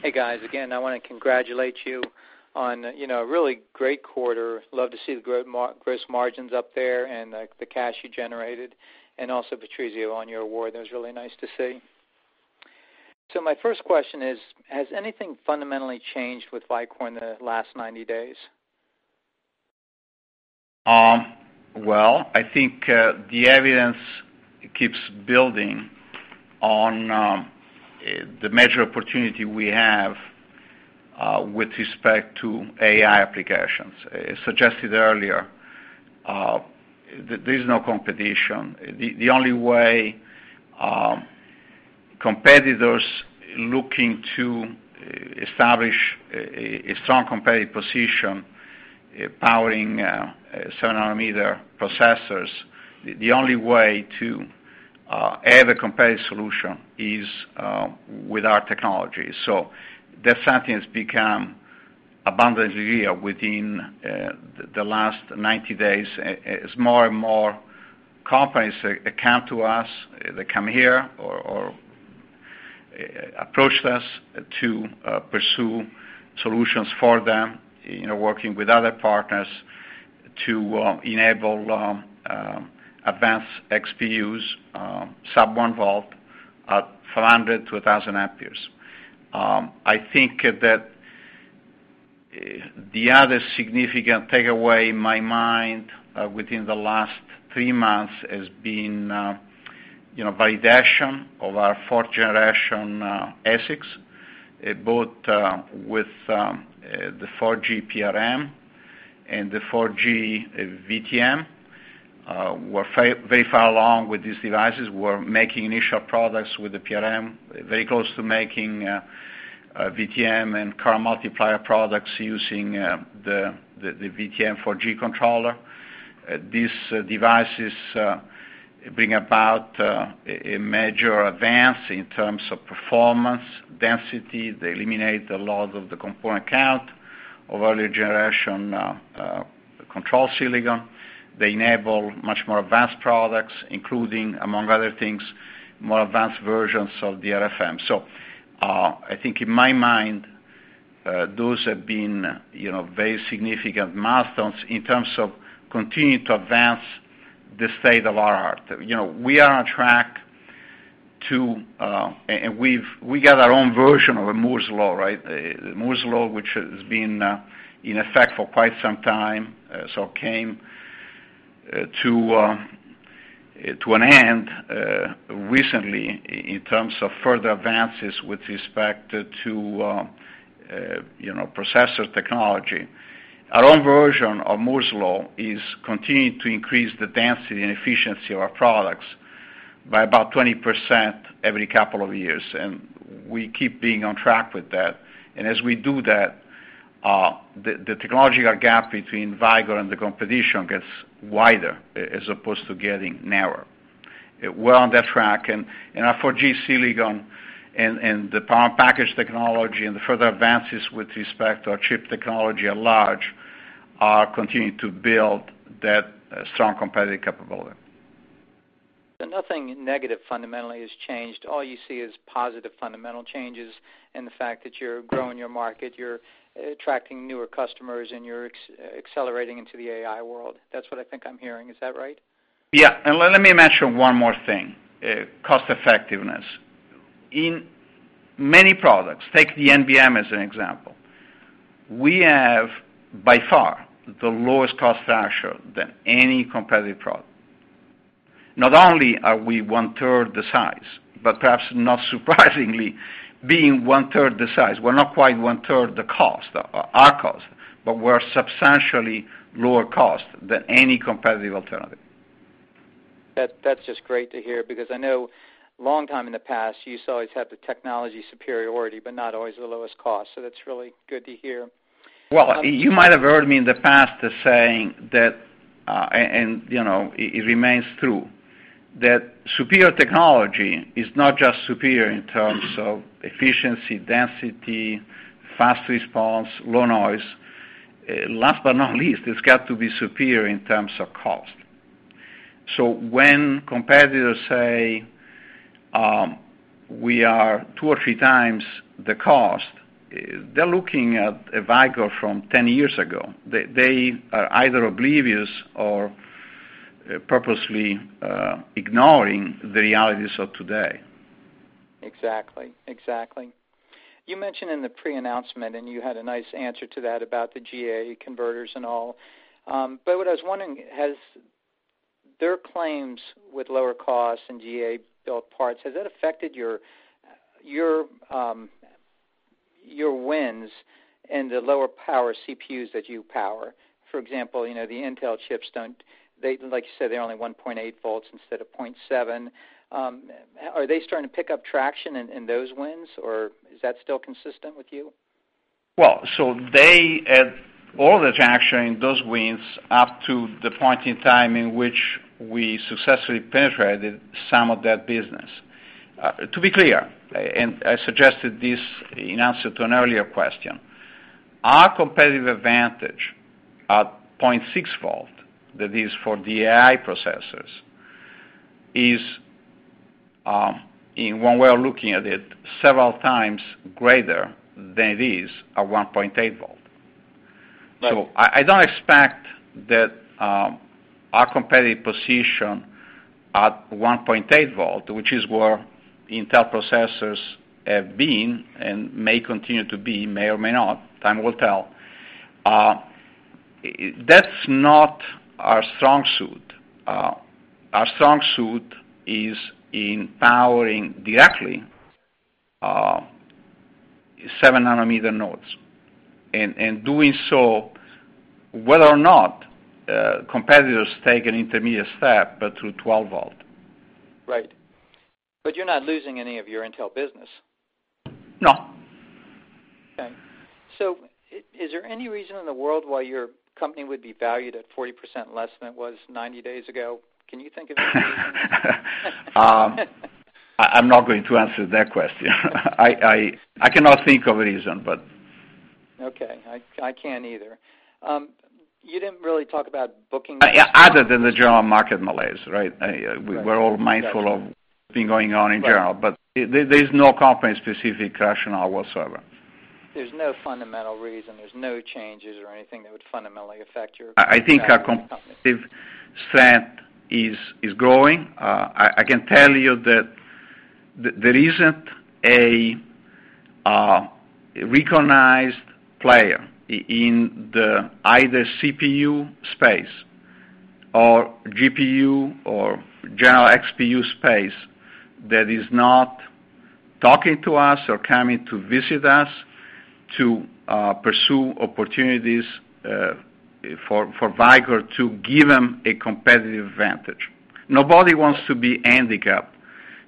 Hey, guys. Again, I want to congratulate you on a really great quarter. Love to see the gross margins up there and the cash you generated, and also Patrizio on your award. That was really nice to see. My first question is, has anything fundamentally changed with Vicor in the last 90 days? I think the evidence keeps building on the major opportunity we have with respect to AI applications. Suggested earlier, there's no competition. The only way competitors looking to establish a strong competitive position Powering seven nanometer processors, the only way to have a competitive solution is with our technology. That sentiment has become abundantly clear within the last 90 days, as more and more companies, they come to us, they come here, or approach us to pursue solutions for them, working with other partners to enable advanced XPUs, sub-one volt, at 500 to 1,000 amperes. I think that the other significant takeaway in my mind within the last three months has been validation of our fourth generation ASICs, both with the 4G PRM and the 4G VTM. We're very far along with these devices. We're making initial products with the PRM. Very close to making VTM and current multiplier products using the VTM 4G controller. These devices bring about a major advance in terms of performance, density. They eliminate a lot of the component count of earlier generation control silicon. They enable much more advanced products, including, among other things, more advanced versions of the RFM. I think in my mind, those have been very significant milestones in terms of continuing to advance the state of our art. We are on track to We've got our own version of a Moore's Law, right? Moore's Law, which has been in effect for quite some time, sort of came to an end recently in terms of further advances with respect to processor technology. Our own version of Moore's Law is continuing to increase the density and efficiency of our products by about 20% every couple of years, and we keep being on track with that. As we do that, the technological gap between Vicor and the competition gets wider as opposed to getting narrower. We're on that track, and our 4G silicon and the power package technology and the further advances with respect to our chip technology at large are continuing to build that strong competitive capability. Nothing negative fundamentally has changed. All you see is positive fundamental changes in the fact that you're growing your market, you're attracting newer customers, and you're accelerating into the AI world. That's what I think I'm hearing. Is that right? Yeah, let me mention one more thing. Cost-effectiveness. In many products, take the NBM as an example. We have, by far, the lowest cost to actual than any competitive product. Not only are we one-third the size, but perhaps not surprisingly, being one-third the size, we're not quite one-third the cost, our cost, but we're substantially lower cost than any competitive alternative. That's just great to hear, because I know a long time in the past, you used to always have the technology superiority, but not always the lowest cost. That's really good to hear. Well, you might have heard me in the past as saying that, and it remains true, that superior technology is not just superior in terms of efficiency, density, fast response, low noise. Last but not least, it's got to be superior in terms of cost. When competitors say we are two or three times the cost, they're looking at a Vicor from 10 years ago. They are either oblivious or purposely ignoring the realities of today. Exactly. You mentioned in the pre-announcement, you had a nice answer to that about the GaN converters and all. What I was wondering, has their claims with lower cost and GaN-built parts, has that affected your wins in the lower power CPUs that you power? For example, the Intel chips don't, like you said, they're only 1.8 volts instead of 0.7. Are they starting to pick up traction in those wins, or is that still consistent with you? Well, they had all the traction in those wins up to the point in time in which we successfully penetrated some of that business. To be clear, I suggested this in answer to an earlier question, our competitive advantage at 0.6 volt, that is for the AI processors, is, in one way of looking at it, several times greater than it is at 1.8 volt. Right. I don't expect that our competitive position at 1.8 volt, which is where Intel processors have been and may continue to be, may or may not, time will tell. That's not our strong suit. Our strong suit is in powering directly 7 nanometer nodes, doing so whether or not competitors take an intermediate step to 12 volt. Right. You're not losing any of your Intel business? No. Okay. Is there any reason in the world why your company would be valued at 40% less than it was 90 days ago? Can you think of any reason? I'm not going to answer that question. I cannot think of a reason. Okay. I can't either. You didn't really talk about bookings. Other than the general market malaise, right? Right. We're all mindful of what's been going on in general. Right. There's no company specific rationale whatsoever. There's no fundamental reason, there's no changes or anything that would fundamentally affect your company. I think our competitive set is growing. I can tell you that there isn't a recognized player in the either CPU space or GPU, or general XPU space that is not talking to us or coming to visit us to pursue opportunities for Vicor to give them a competitive advantage. Nobody wants to be handicapped,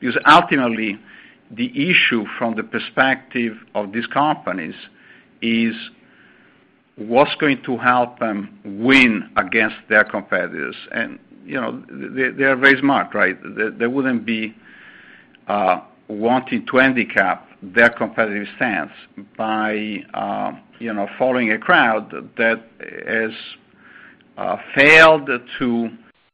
because ultimately, the issue from the perspective of these companies is, what's going to help them win against their competitors? They're very smart, right? They wouldn't be wanting to handicap their competitive stance by following a crowd that has failed to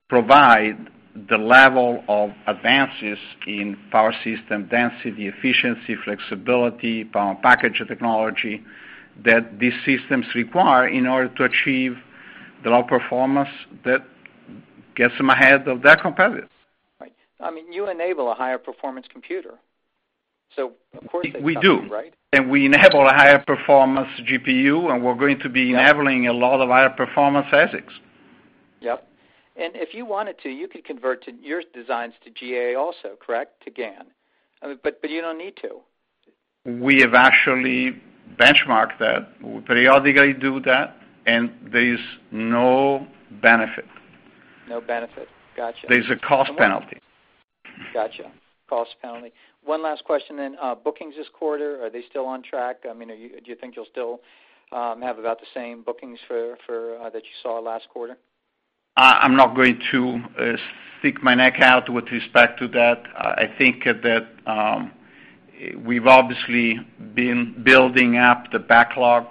provide the level of advances in power system density, efficiency, flexibility, power package technology that these systems require in order to achieve the low performance that gets them ahead of their competitors. Right. You enable a higher performance computer. Of course they come to you, right? We do. We enable a higher performance GPU, and we're going to be- Yeah We are enabling a lot of higher performance ASICs. Yep. If you wanted to, you could convert your designs to GaN also, correct? To GaN. You don't need to. We have actually benchmarked that. We periodically do that, and there's no benefit. No benefit. Got you. There's a cost penalty. Got you. Cost penalty. One last question then. Bookings this quarter, are they still on track? Do you think you'll still have about the same bookings that you saw last quarter? I'm not going to stick my neck out with respect to that. I think that we've obviously been building up the backlog.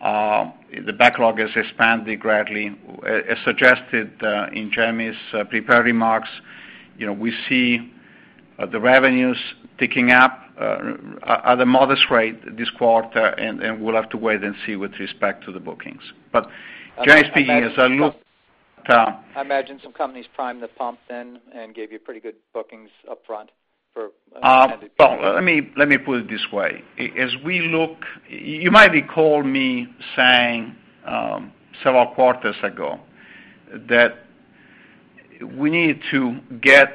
The backlog has expanded gradually, as suggested in Jamie's prepared remarks. We see the revenues ticking up at a modest rate this quarter. We'll have to wait and see with respect to the bookings. Jamie's opinion is a look- I imagine some companies primed the pump then and gave you pretty good bookings upfront for Let me put it this way. You might recall me saying several quarters ago that we need to get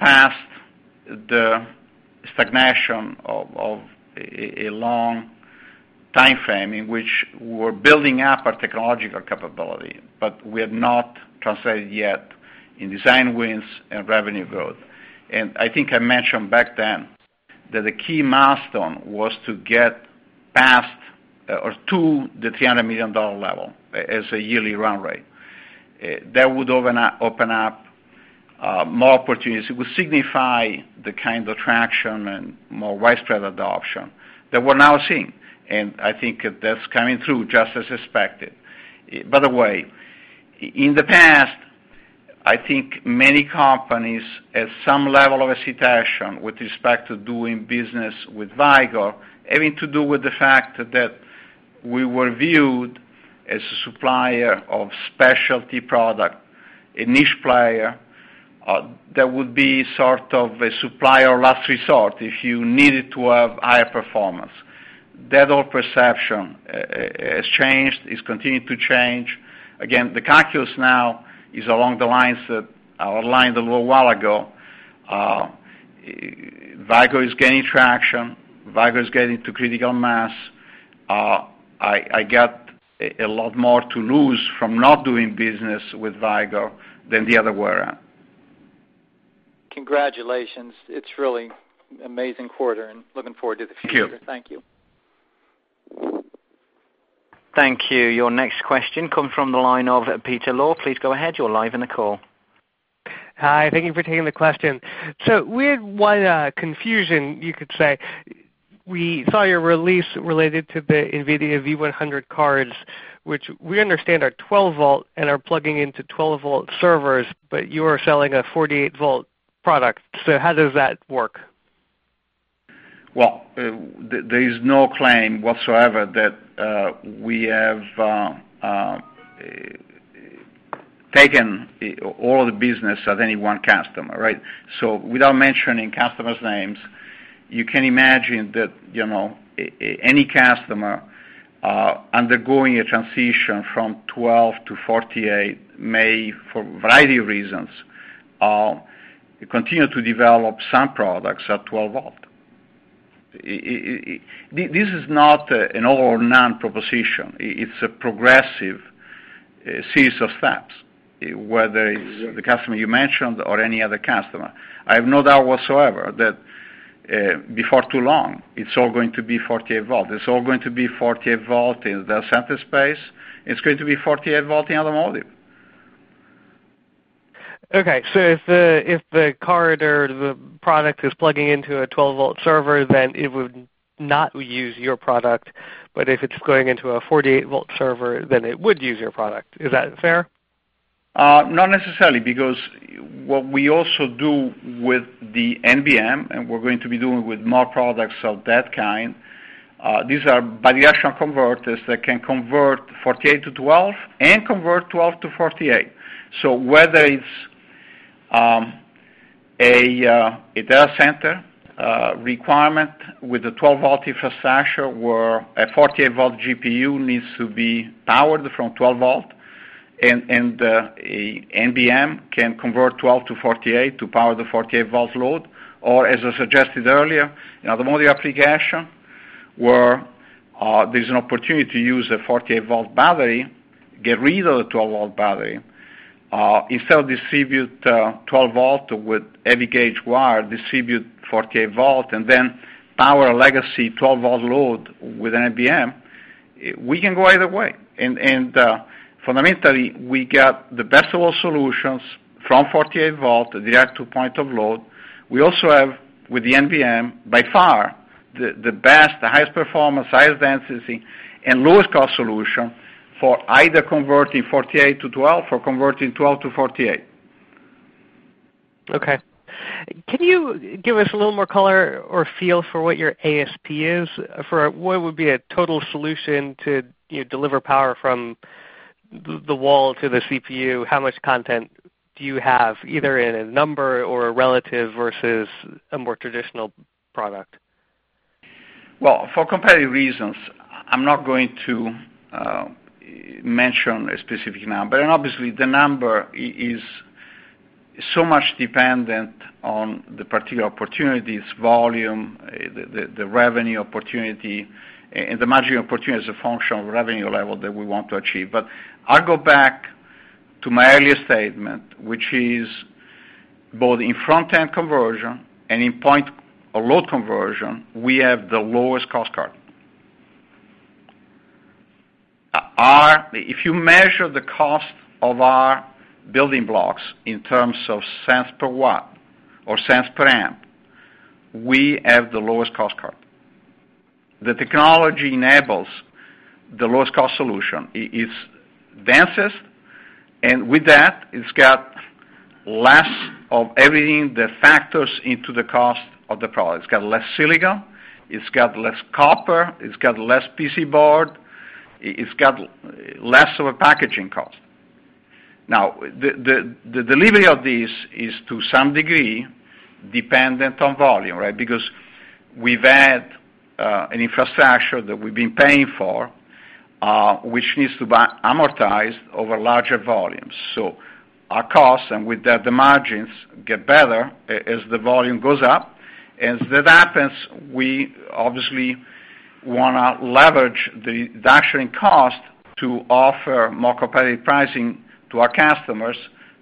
past the stagnation of a long timeframe in which we're building up our technological capability. We have not translated yet in design wins and revenue growth. I think I mentioned back then that the key milestone was to get past, or to, the $300 million level as a yearly run rate. That would open up more opportunities. It would signify the kind of traction and more widespread adoption that we're now seeing. I think that's coming through just as expected. By the way, in the past, I think many companies had some level of hesitation with respect to doing business with Vicor, having to do with the fact that we were viewed as a supplier of specialty product, a niche player, that would be sort of a supplier of last resort if you needed to have higher performance. That old perception has changed, is continuing to change. Again, the calculus now is along the lines that I outlined a little while ago. Vicor is gaining traction. Vicor is getting to critical mass. I get a lot more to lose from not doing business with Vicor than the other way around. Congratulations. It's really amazing quarter, and looking forward to the future. Thank you. Thank you. Thank you. Your next question comes from the line of Peter Low. Please go ahead. You're live on the call. Hi. Thank you for taking the question. We had one confusion, you could say. We saw your release related to the NVIDIA V100 cards, which we understand are 12-volt and are plugging into 12-volt servers, but you are selling a 48-volt product. How does that work? Well, there is no claim whatsoever that we have taken all the business of any one customer, right? Without mentioning customers' names, you can imagine that any customer undergoing a transition from 12 to 48 may, for a variety of reasons, continue to develop some products at 12-volt. This is not an all or none proposition. It's a progressive A series of steps, whether it's the customer you mentioned or any other customer. I have no doubt whatsoever that before too long, it's all going to be 48-volt. It's all going to be 48-volt in the data center space. It's going to be 48-volt in automotive. Okay. If the car or the product is plugging into a 12-volt server, then it would not use your product, but if it's going into a 48-volt server, then it would use your product. Is that fair? Not necessarily, because what we also do with the NBM, and we're going to be doing with more products of that kind, these are bi-directional converters that can convert 48 to 12 and convert 12 to 48. Whether it's a data center requirement with a 12-volt infrastructure where a 48-volt GPU needs to be powered from 12-volt, and an NBM can convert 12 to 48 to power the 48-volt load. As I suggested earlier, in automotive application, where there's an opportunity to use a 48-volt battery, get rid of the 12-volt battery. Instead of distribute 12-volt with heavy gauge wire, distribute 48-volt, and then power legacy 12-volt load with an NBM. We can go either way, and fundamentally, we get the best of all solutions from 48-volt direct to point of load. We also have, with the NBM, by far, the best, the highest performance, highest density, and lowest cost solution for either converting 48 to 12 or converting 12 to 48. Okay. Can you give us a little more color or feel for what your ASP is? For what would be a total solution to deliver power from the wall to the CPU, how much content do you have, either in a number or a relative versus a more traditional product? Well, for competitive reasons, I'm not going to mention a specific number. Obviously, the number is so much dependent on the particular opportunities, volume, the revenue opportunity, and the margin opportunity as a function of revenue level that we want to achieve. I'll go back to my earlier statement, which is both in front-end conversion and in point-of-load conversion, we have the lowest cost card. If you measure the cost of our building blocks in terms of cents per watt or cents per amp, we have the lowest cost card. The technology enables the lowest cost solution. It's densest, and with that, it's got less of everything that factors into the cost of the product. It's got less silicon, it's got less copper, it's got less PC board, it's got less of a packaging cost. Now, the delivery of this is to some degree dependent on volume, right? Because we've had an infrastructure that we've been paying for, which needs to be amortized over larger volumes. Our costs, and with that, the margins get better as the volume goes up. As that happens, we obviously want to leverage the reduction in cost to offer more competitive pricing to our customers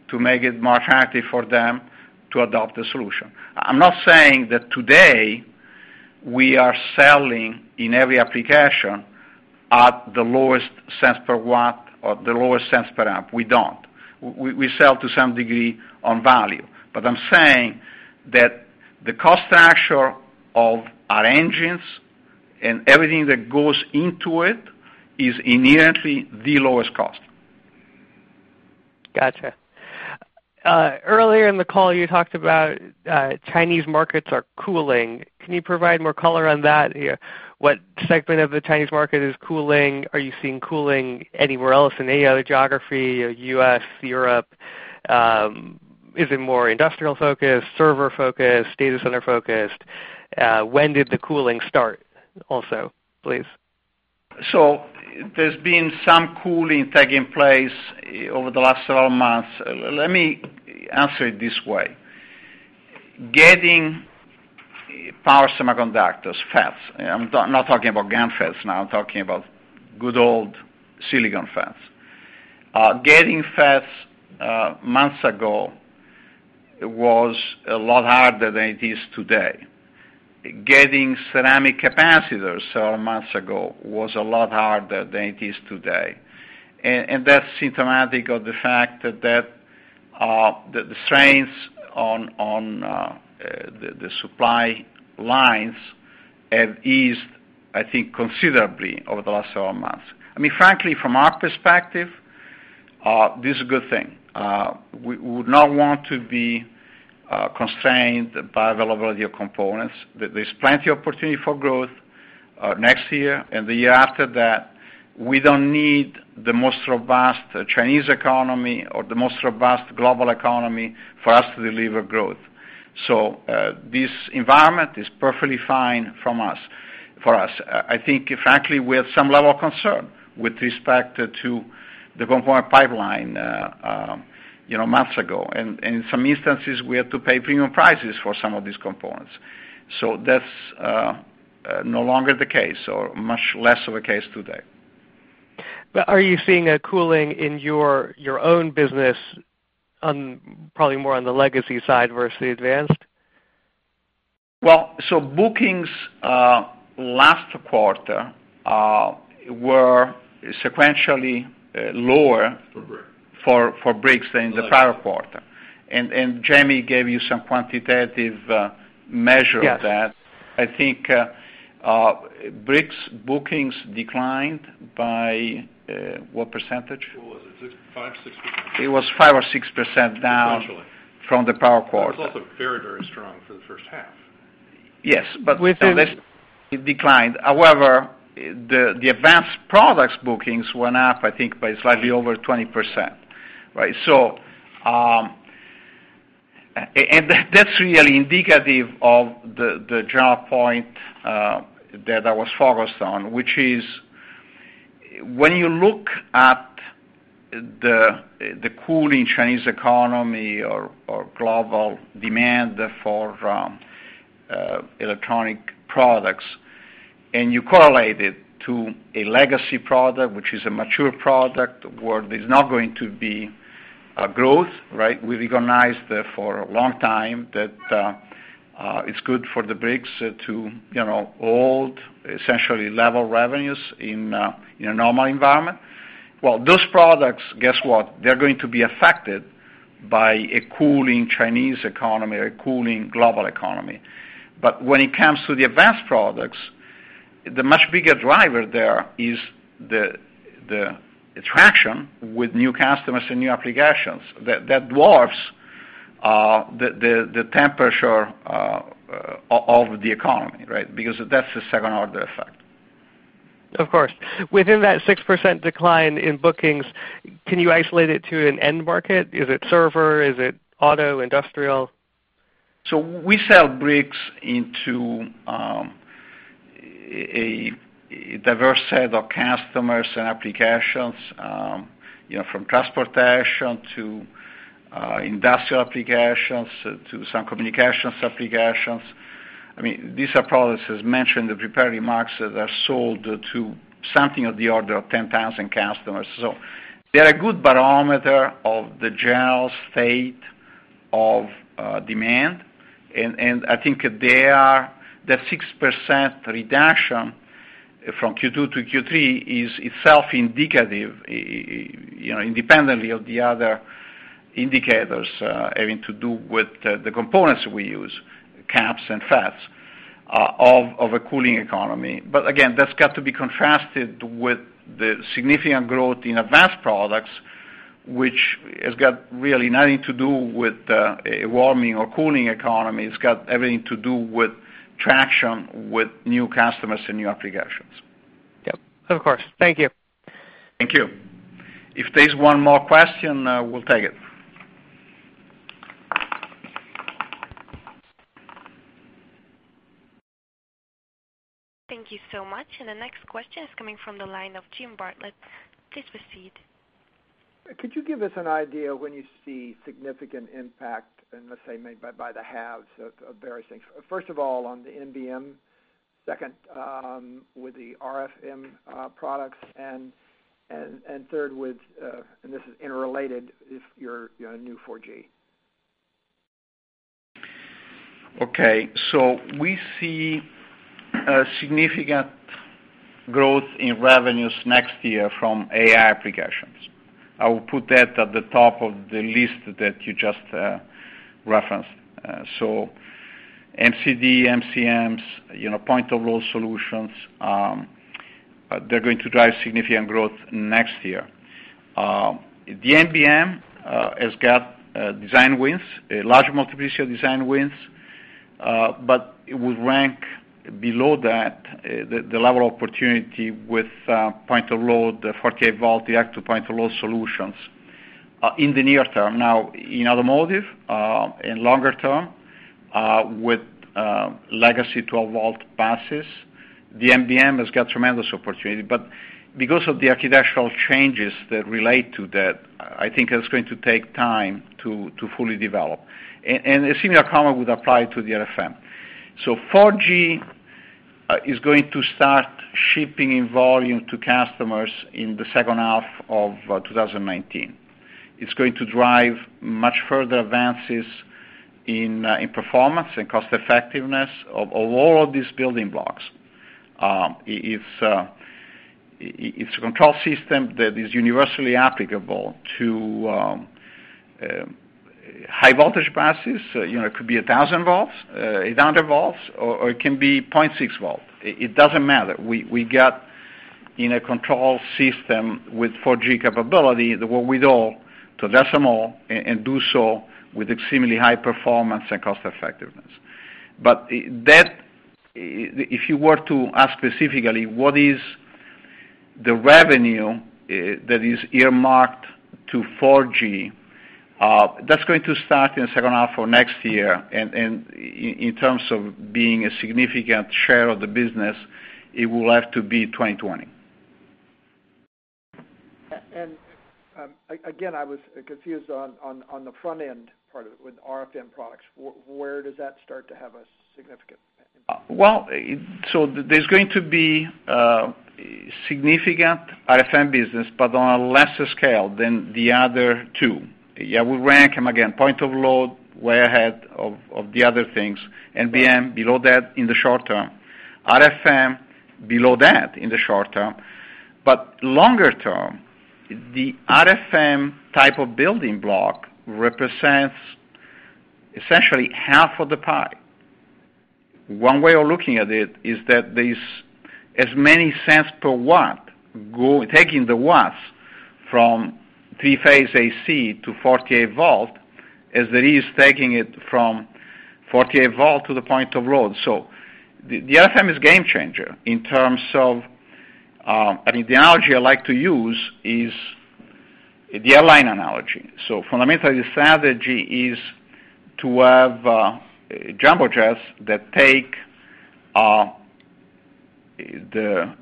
to make it more attractive for them to adopt the solution. I'm not saying that today we are selling in every application at the lowest cents per watt or the lowest cents per amp. We don't. We sell to some degree on value. I'm saying that the cost structure of our engines and everything that goes into it is inherently the lowest cost. Got you. Earlier in the call, you talked about Chinese markets are cooling. Can you provide more color on that here? What segment of the Chinese market is cooling? Are you seeing cooling anywhere else in any other geography, U.S., Europe? Is it more industrial-focused, server-focused, data center-focused? When did the cooling start also, please? There's been some cooling taking place over the last several months. Let me answer it this way. Getting power semiconductors, FETs, I'm not talking about GaN FETs now, I'm talking about good old silicon FETs. Getting FETs months ago was a lot harder than it is today. Getting ceramic capacitors several months ago was a lot harder than it is today, that's symptomatic of the fact that the strains on the supply lines have eased, I think, considerably over the last several months. Frankly, from our perspective, this is a good thing. We would not want to be constrained by availability of components. There's plenty opportunity for growth next year and the year after that. We don't need the most robust Chinese economy or the most robust global economy for us to deliver growth. This environment is perfectly fine for us. I think, frankly, we had some level of concern with respect to the component pipeline months ago. In some instances, we had to pay premium prices for some of these components. That's no longer the case or much less of a case today. Are you seeing a cooling in your own business, probably more on the legacy side versus the advanced? Bookings last quarter were sequentially lower for bricks than the prior quarter. Jamie gave you some quantitative measure of that. Yes. I think bricks bookings declined by, what percentage? What was it? 5%, 6%? It was 5% or 6% down essentially from the prior quarter. It was also very strong for the first half. Within- It declined. The advanced products bookings were up, I think, by slightly over 20%, right? That's really indicative of the general point that I was focused on, which is when you look at the cooling Chinese economy or global demand for electronic products, you correlate it to a legacy product, which is a mature product, where there's not going to be growth, right? We recognized that for a long time that it's good for the bricks to hold, essentially level revenues in a normal environment. Those products, guess what? They're going to be affected by a cooling Chinese economy, a cooling global economy. When it comes to the advanced products, the much bigger driver there is the traction with new customers and new applications. That dwarfs the temperature of the economy, right? Because that's the second order effect. Of course. Within that 6% decline in bookings, can you isolate it to an end market? Is it server? Is it auto, industrial? We sell bricks into a diverse set of customers and applications, from transportation to industrial applications to some communications applications. These are products, as mentioned in the prepared remarks, that are sold to something of the order of 10,000 customers. They're a good barometer of the general state of demand, and I think the 6% reduction from Q2 to Q3 is itself indicative, independently of the other indicators having to do with the components we use, CAPS and FETs, of a cooling economy. Again, that's got to be contrasted with the significant growth in advanced products, which has got really nothing to do with a warming or cooling economy. It's got everything to do with traction with new customers and new applications. Yep. Of course. Thank you. Thank you. If there's one more question, we'll take it. Thank you so much. The next question is coming from the line of Jim Bartlett. Please proceed. Could you give us an idea when you see significant impact in, let's say, maybe by the haves of various things? First of all, on the NBM, second with the RFM products, and third with, and this is interrelated, if your new 4G. Okay. We see a significant growth in revenues next year from AI applications. I will put that at the top of the list that you just referenced. MCD, MCMs, point-of-load solutions, they're going to drive significant growth next year. The NBM has got design wins, large multiplication design wins, but it would rank below that, the level of opportunity with point of load, the 48 volt, the active point of load solutions in the near term. Now, in automotive, in longer term, with legacy 12 volt buses, the NBM has got tremendous opportunity, but because of the architectural changes that relate to that, I think it's going to take time to fully develop. A similar comment would apply to the RFM. 4G is going to start shipping in volume to customers in the second half of 2019. It's going to drive much further advances in performance and cost effectiveness of all of these building blocks. It's a control system that is universally applicable to high voltage buses. It could be 1,000 volts, 800 volts, or it can be 0.6 volt. It doesn't matter. We get in a control system with 4G capability, what we know to decimal, and do so with extremely high performance and cost effectiveness. If you were to ask specifically what is the revenue that is earmarked to 4G, that's going to start in the second half of next year, and in terms of being a significant share of the business, it will have to be 2020. Again, I was confused on the front end part of it with RFM products. Where does that start to have a significant impact? There's going to be significant RFM business, but on a lesser scale than the other two. We rank them, again, point of load, way ahead of the other things. NBM, below that in the short term. RFM, below that in the short term. Longer term, the RFM type of building block represents essentially half of the pie. One way of looking at it is that there's as many cents per watt go taking the watts from three-phase AC to 48 V, as there is taking it from 48 V to the point of load. The RFM is game changer in terms of, I think the analogy I like to use is the airline analogy. Fundamentally, the strategy is to have jumbo jets that take the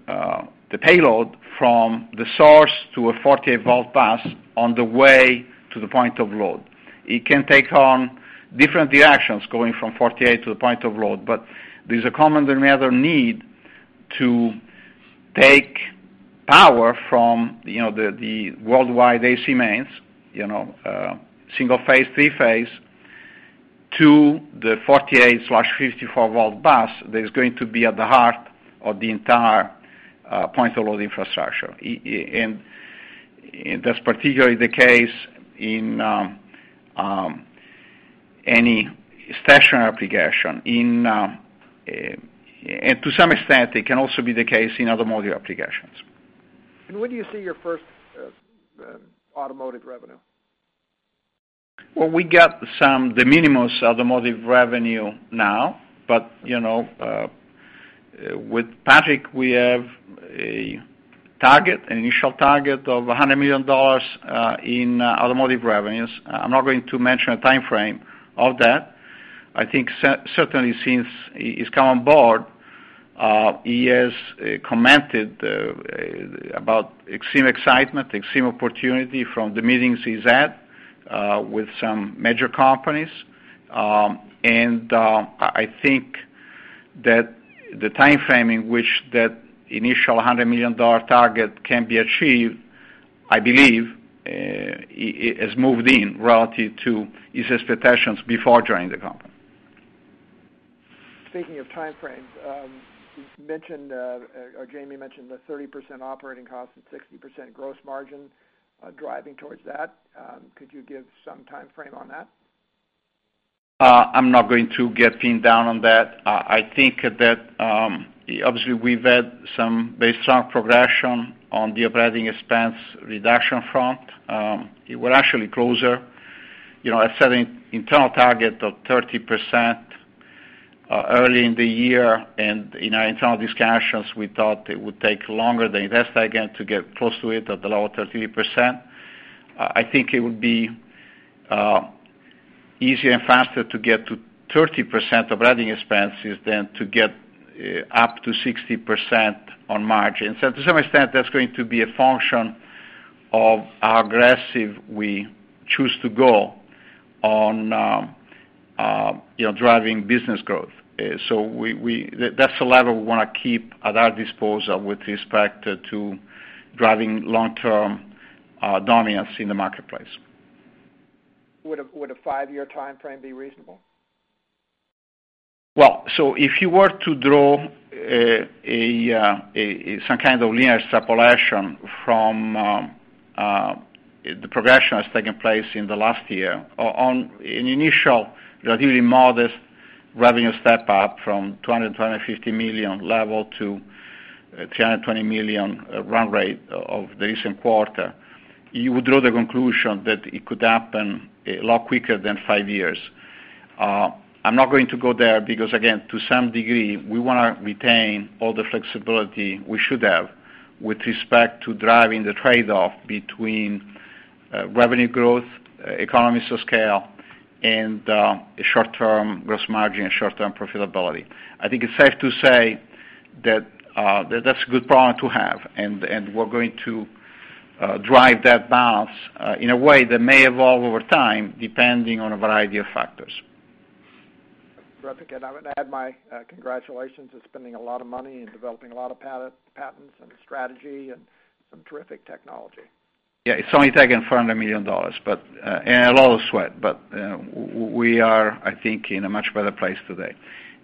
payload from the source to a 48 V bus on the way to the point of load. It can take on different directions going from 48 to the point of load. There's a common denominator need to take power from the worldwide AC mains, single phase, three-phase, to the 48/54 V bus that is going to be at the heart of the entire point of load infrastructure. That's particularly the case in any stationary application. To some extent, it can also be the case in other module applications. When do you see your first automotive revenue? We got some minimum automotive revenue now. With Patrick, we have an initial target of $100 million in automotive revenues. I'm not going to mention a timeframe of that. I think certainly since he's come on board, he has commented about extreme excitement, extreme opportunity from the meetings he's at with some major companies. I think that the timeframe in which that initial $100 million target can be achieved, I believe, has moved in relative to his expectations before joining the company. Speaking of timeframes, you mentioned, or Jamie mentioned the 30% operating cost and 60% gross margin, driving towards that. Could you give some timeframe on that? I'm not going to get pinned down on that. I think that, obviously, we've had some very strong progression on the operating expense reduction front. We're actually closer. I set an internal target of 30% early in the year, and in our internal discussions, we thought it would take longer than that, again, to get close to it at the low 30%. I think it would be easier and faster to get to 30% operating expenses than to get up to 60% on margin. To some extent, that's going to be a function of how aggressive we choose to go on driving business growth. That's the level we want to keep at our disposal with respect to driving long-term dominance in the marketplace. Would a five-year timeframe be reasonable? Well, if you were to draw some kind of linear extrapolation from the progression that's taken place in the last year on an initial relatively modest revenue step up from $200 million-$250 million level to $320 million run rate of the recent quarter, you would draw the conclusion that it could happen a lot quicker than five years. I'm not going to go there because, again, to some degree, we want to retain all the flexibility we should have with respect to driving the trade-off between revenue growth, economies of scale, and short-term gross margin and short-term profitability. I think it's safe to say that that's a good problem to have, and we're going to drive that balance in a way that may evolve over time, depending on a variety of factors. Terrific. I would add my congratulations on spending a lot of money and developing a lot of patents and strategy and some terrific technology. Yeah, it's only taken $400 million, and a lot of sweat, we are, I think, in a much better place today.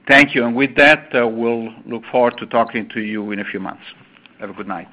Thank you. With that, we'll look forward to talking to you in a few months. Have a good night.